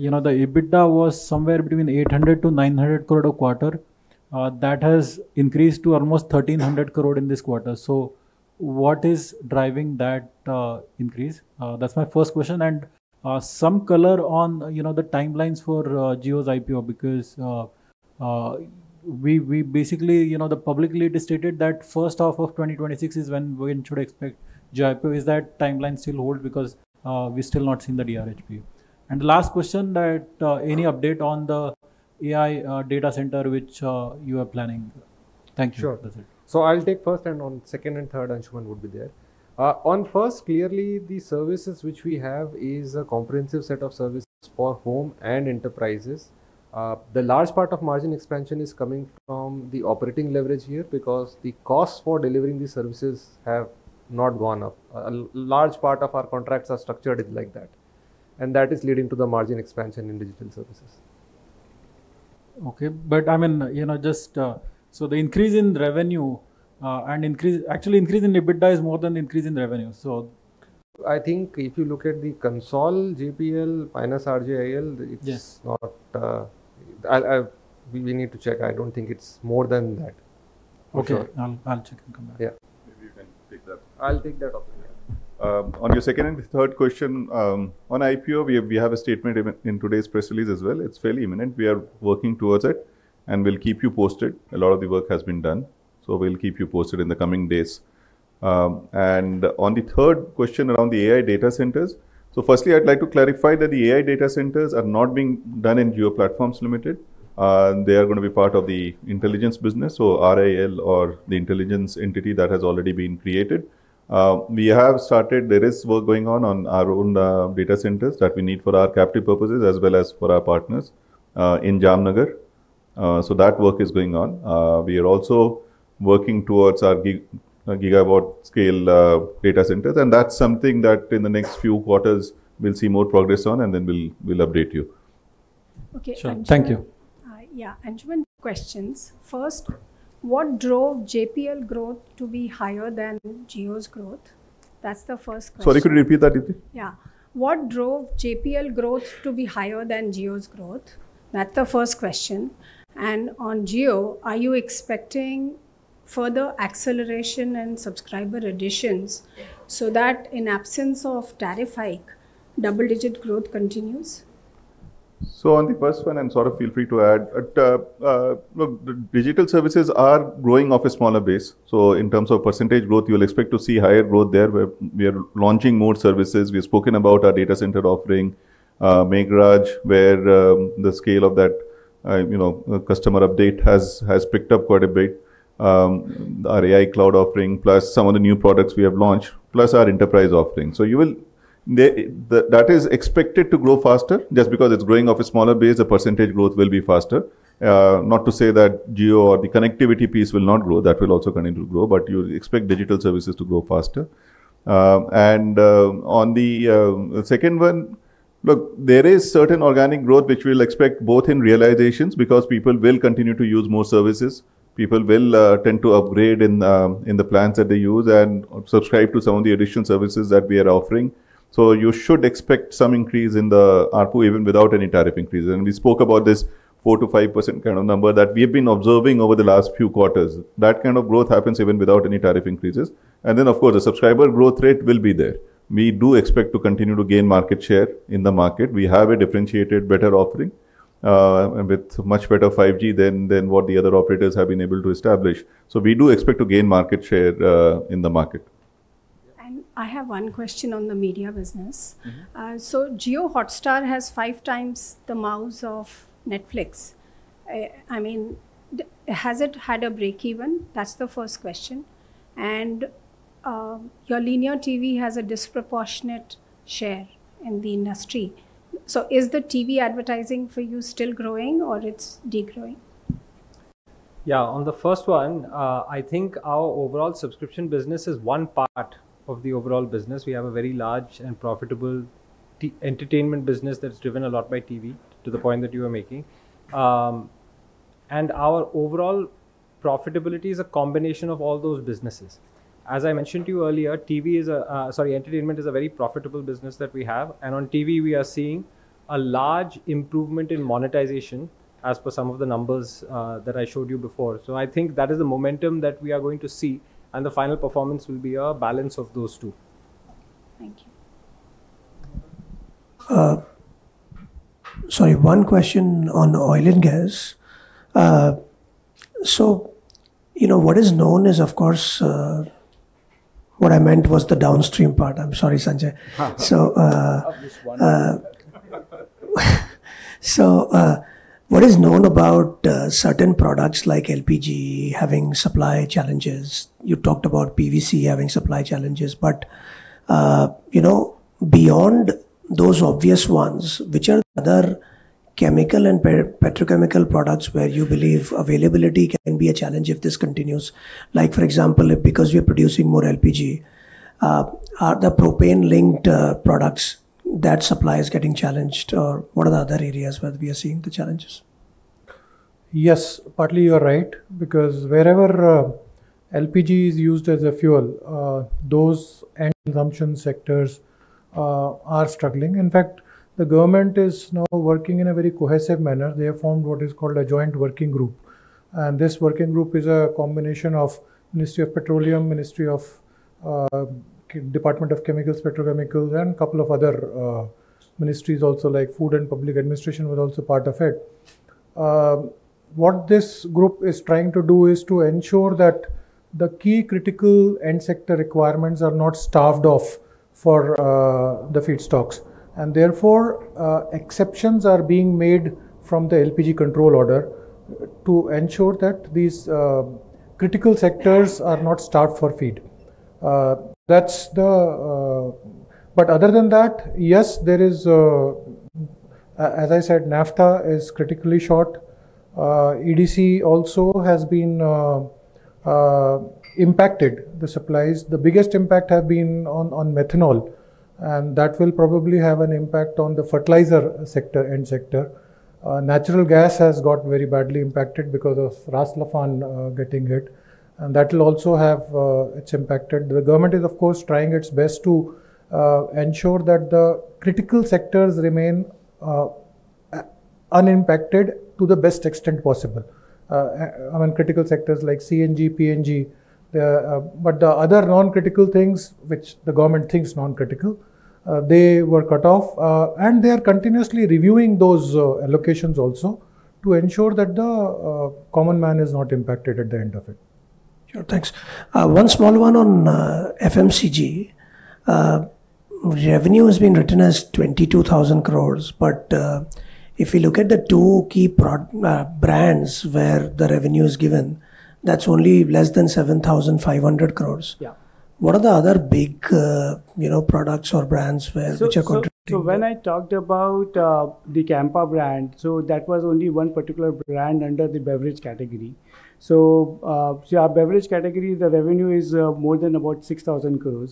you know, the EBITDA was somewhere between 800- 900 crore a quarter. That has increased to almost 1,300 crore in this quarter. What is driving that increase? That's my first question. Some color on, you know, the timelines for Jio's IPO because we basically, you know, publicly it is stated that first half of 2026 is when we should expect Jio IPO. Is that timeline still hold because we still not seen the DRHP? Last question that any update on the AI data center which you are planning? Thank you. Sure. That's it. I'll take first, and on second and third Anshuman would be there. On first, clearly the services which we have is a comprehensive set of services for home and enterprises. The large part of margin expansion is coming from the operating leverage here because the cost for delivering these services have not gone up. A large part of our contracts are structured like that, and that is leading to the margin expansion in digital services. I mean, you know, just the increase in revenue, actually the increase in EBITDA is more than the increase in revenue, so. I think if you look at the consol JPL minus RJIL. Yes. It's not. I'll. We need to check. I don't think it's more than that. Okay. For sure. I'll check and come back. Yeah. Maybe you can take that. I'll take that up, yeah. On your second and third question, on IPO, we have a statement in today's press release as well. It's fairly imminent. We are working towards it, and we'll keep you posted. A lot of the work has been done. We'll keep you posted in the coming days. On the third question around the AI data centers, firstly I'd like to clarify that the AI data centers are not being done in Jio Platforms Limited. They are gonna be part of the intelligence business, so RIL or the intelligence entity that has already been created. We have started. There is work going on on our own data centers that we need for our captive purposes as well as for our partners in Jamnagar. That work is going on. We are also working towards our gigawatt scale data centers, and that's something that in the next few quarters we'll see more progress on and then we'll update you. Sure. Thank you. Okay, Anshuman. Yeah, Anshuman, questions. First, what drove JPL growth to be higher than Jio's growth? That's the first question. Sorry, could you repeat that, Deepti? Yeah. What drove JPL growth to be higher than Jio's growth? That's the first question. On Jio, are you expecting further acceleration and subscriber additions, so that in absence of tariff hike, double-digit growth continues? On the first one, sort of feel free to add. Look, the digital services are growing off a smaller base, so in terms of percentage growth you'll expect to see higher growth there. We're launching more services. We've spoken about our data center offering, Meghraj, where the scale of that, you know, customer uptake has picked up quite a bit. Our AI cloud offering, plus some of the new products we have launched, plus our enterprise offering. That is expected to grow faster. Just because it's growing off a smaller base, the percentage growth will be faster. Not to say that Jio or the connectivity piece will not grow, that will also continue to grow, but you'll expect digital services to grow faster. On the second one, look, there is certain organic growth which we'll expect both in realizations, because people will continue to use more services. People will tend to upgrade in the plans that they use and subscribe to some of the additional services that we are offering. You should expect some increase in the ARPU even without any tariff increases. We spoke about this 4%-5% kind of number that we have been observing over the last few quarters. That kind of growth happens even without any tariff increases. Then of course, the subscriber growth rate will be there. We do expect to continue to gain market share in the market. We have a differentiated better offering with much better 5G than what the other operators have been able to establish. We do expect to gain market share in the market. I have one question on the media business. Mm-hmm. JioHotstar has five times the MOUs of Netflix. I mean, has it had a break even? That's the first question. Your linear TV has a disproportionate share in the industry. Is the TV advertising for you still growing or it's degrowing? Yeah. On the first one, I think our overall subscription business is one part of the overall business. We have a very large and profitable entertainment business that's driven a lot by TV, to the point that you were making. Our overall profitability is a combination of all those businesses. As I mentioned to you earlier, entertainment is a very profitable business that we have. On TV, we are seeing a large improvement in monetization as per some of the numbers that I showed you before. I think that is the momentum that we are going to see, and the final performance will be a balance of those two. Thank you. Sorry, one question on oil and gas. You know, what is known is, of course, what I meant was the downstream part. I'm sorry, Sanjay. Of this one. What is known about certain products, like LPG, having supply challenges? You talked about PVC having supply challenges, but you know, beyond those obvious ones, which are the other chemical and petrochemical products where you believe availability can be a challenge if this continues? Like, for example, if because we are producing more LPG, are the propane-linked products that supply is getting challenged? Or what are the other areas where we are seeing the challenges? Yes. Partly, you are right, because wherever LPG is used as a fuel, those end consumption sectors are struggling. In fact, the government is now working in a very cohesive manner. They have formed what is called a joint working group, and this working group is a combination of the Ministry of Petroleum and Natural Gas, Department of Chemicals and Petrochemicals, and a couple of other ministries, like Department of Food and Public Distribution, which were also part of it. What this group is trying to do is to ensure that the key critical end sector requirements are not starved of the feedstocks. Therefore, exceptions are being made from the LPG control order to ensure that these critical sectors are not starved of feed. That's the. Other than that, yes, there is, as I said, naphtha is critically short. EDC has also been impacted, the supplies. The biggest impact has been on methanol, and that will probably have an impact on the fertilizer sector, end sector. Natural gas has got very badly impacted because of Ras Laffan getting hit, and that will also have, it's impacted. The government is, of course, trying its best to ensure that the critical sectors remain unimpacted to the best extent possible. I mean, critical sectors like CNG, PNG, but the other non-critical things, which the government thinks non-critical, they were cut off. They are continuously reviewing those allocations also to ensure that the common man is not impacted at the end of it. Sure. Thanks. One small one on FMCG. Revenue has been written as 22,000 crore, but if you look at the two key brands where the revenue is given, that's only less than 7,500 crore. Yeah. What are the other big, you know, products or brands which are contributing? When I talked about the Campa brand, that was only one particular brand under the beverage category. Our beverage category, the revenue is more than about 6,000 crore.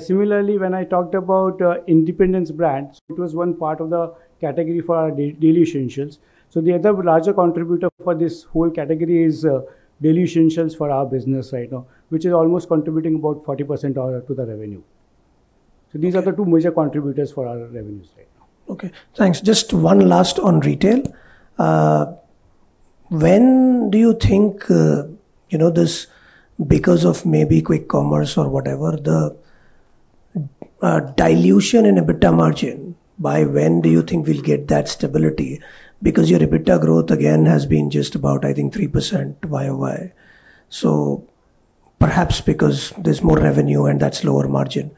Similarly, when I talked about Independence brand, it was one part of the category for our daily essentials. The other larger contributor for this whole category is daily essentials for our business right now, which is almost contributing about 40% to the revenue. These are the two major contributors for our revenues right now. Okay. Thanks. Just one last on retail. When do you think, you know, this because of maybe quick commerce or whatever, the dilution in EBITDA margin, by when do you think we'll get that stability? Because your EBITDA growth again has been just about, I think, 3% YoY. Perhaps because there's more revenue and that's lower margin.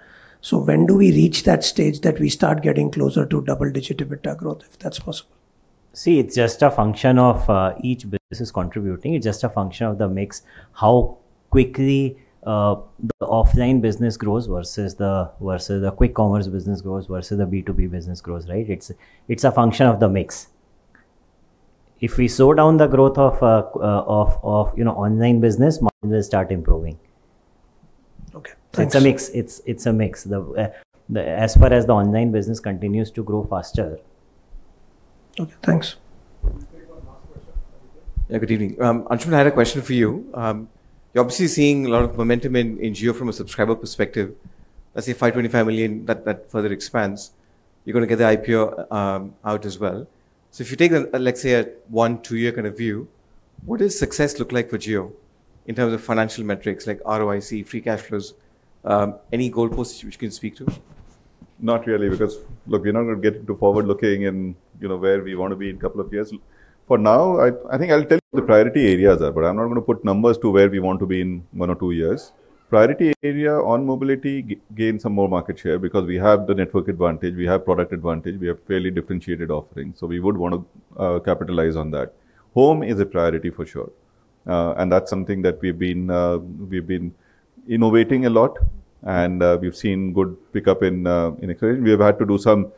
When do we reach that stage that we start getting closer to double-digit EBITDA growth, if that's possible? See, it's just a function of each business contributing. It's just a function of the mix, how quickly the offline business grows versus the quick commerce business grows, versus the B2B business grows, right? It's a function of the mix. If we slow down the growth of you know, online business, margins start improving. Okay. Thanks. It's a mix. As far as the online business continues to grow faster. Okay, thanks. Can we take one last question from Vijay? Yeah, good evening. Anshuman, I had a question for you. You're obviously seeing a lot of momentum in Jio from a subscriber perspective. Let's say 525 million, which further expands. You're gonna get the IPO out as well. So if you take a, let's say, a one-two-year kind of view, what does success look like for Jio in terms of financial metrics like ROIC, free cash flows? Any goalposts that you can speak to? Not really, because look, we're not gonna get into forward-looking and, you know, where we wanna be in a couple of years. For now, I think I'll tell you what the priority areas are, but I'm not gonna put numbers to where we want to be in one or two years. Priority area on mobility, gain some more market share because we have the network advantage, we have product advantage, we have fairly differentiated offerings. We would wanna capitalize on that. Home is a priority for sure. That's something that we've been innovating a lot, and we've seen good pickup in acquisition. We have had to do some,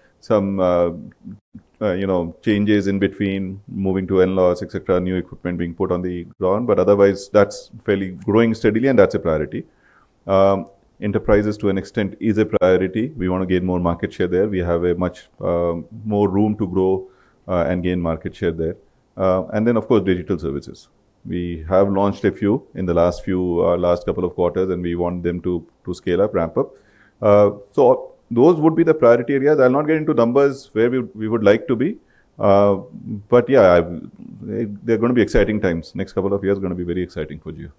you know, changes in between moving to in-house, et cetera, new equipment being put on the ground. Otherwise, that's growing fairly steadily, and that's a priority. Enterprises, to an extent is a priority. We wanna gain more market share there. We have much more room to grow and gain market share there. Of course, digital services. We have launched a few in the last couple of quarters, and we want them to scale up, and ramp up. Those would be the priority areas. I'll not get into numbers where we would like to be. Yeah, they're gonna be exciting times. The next couple of years are gonna be very exciting for Jio.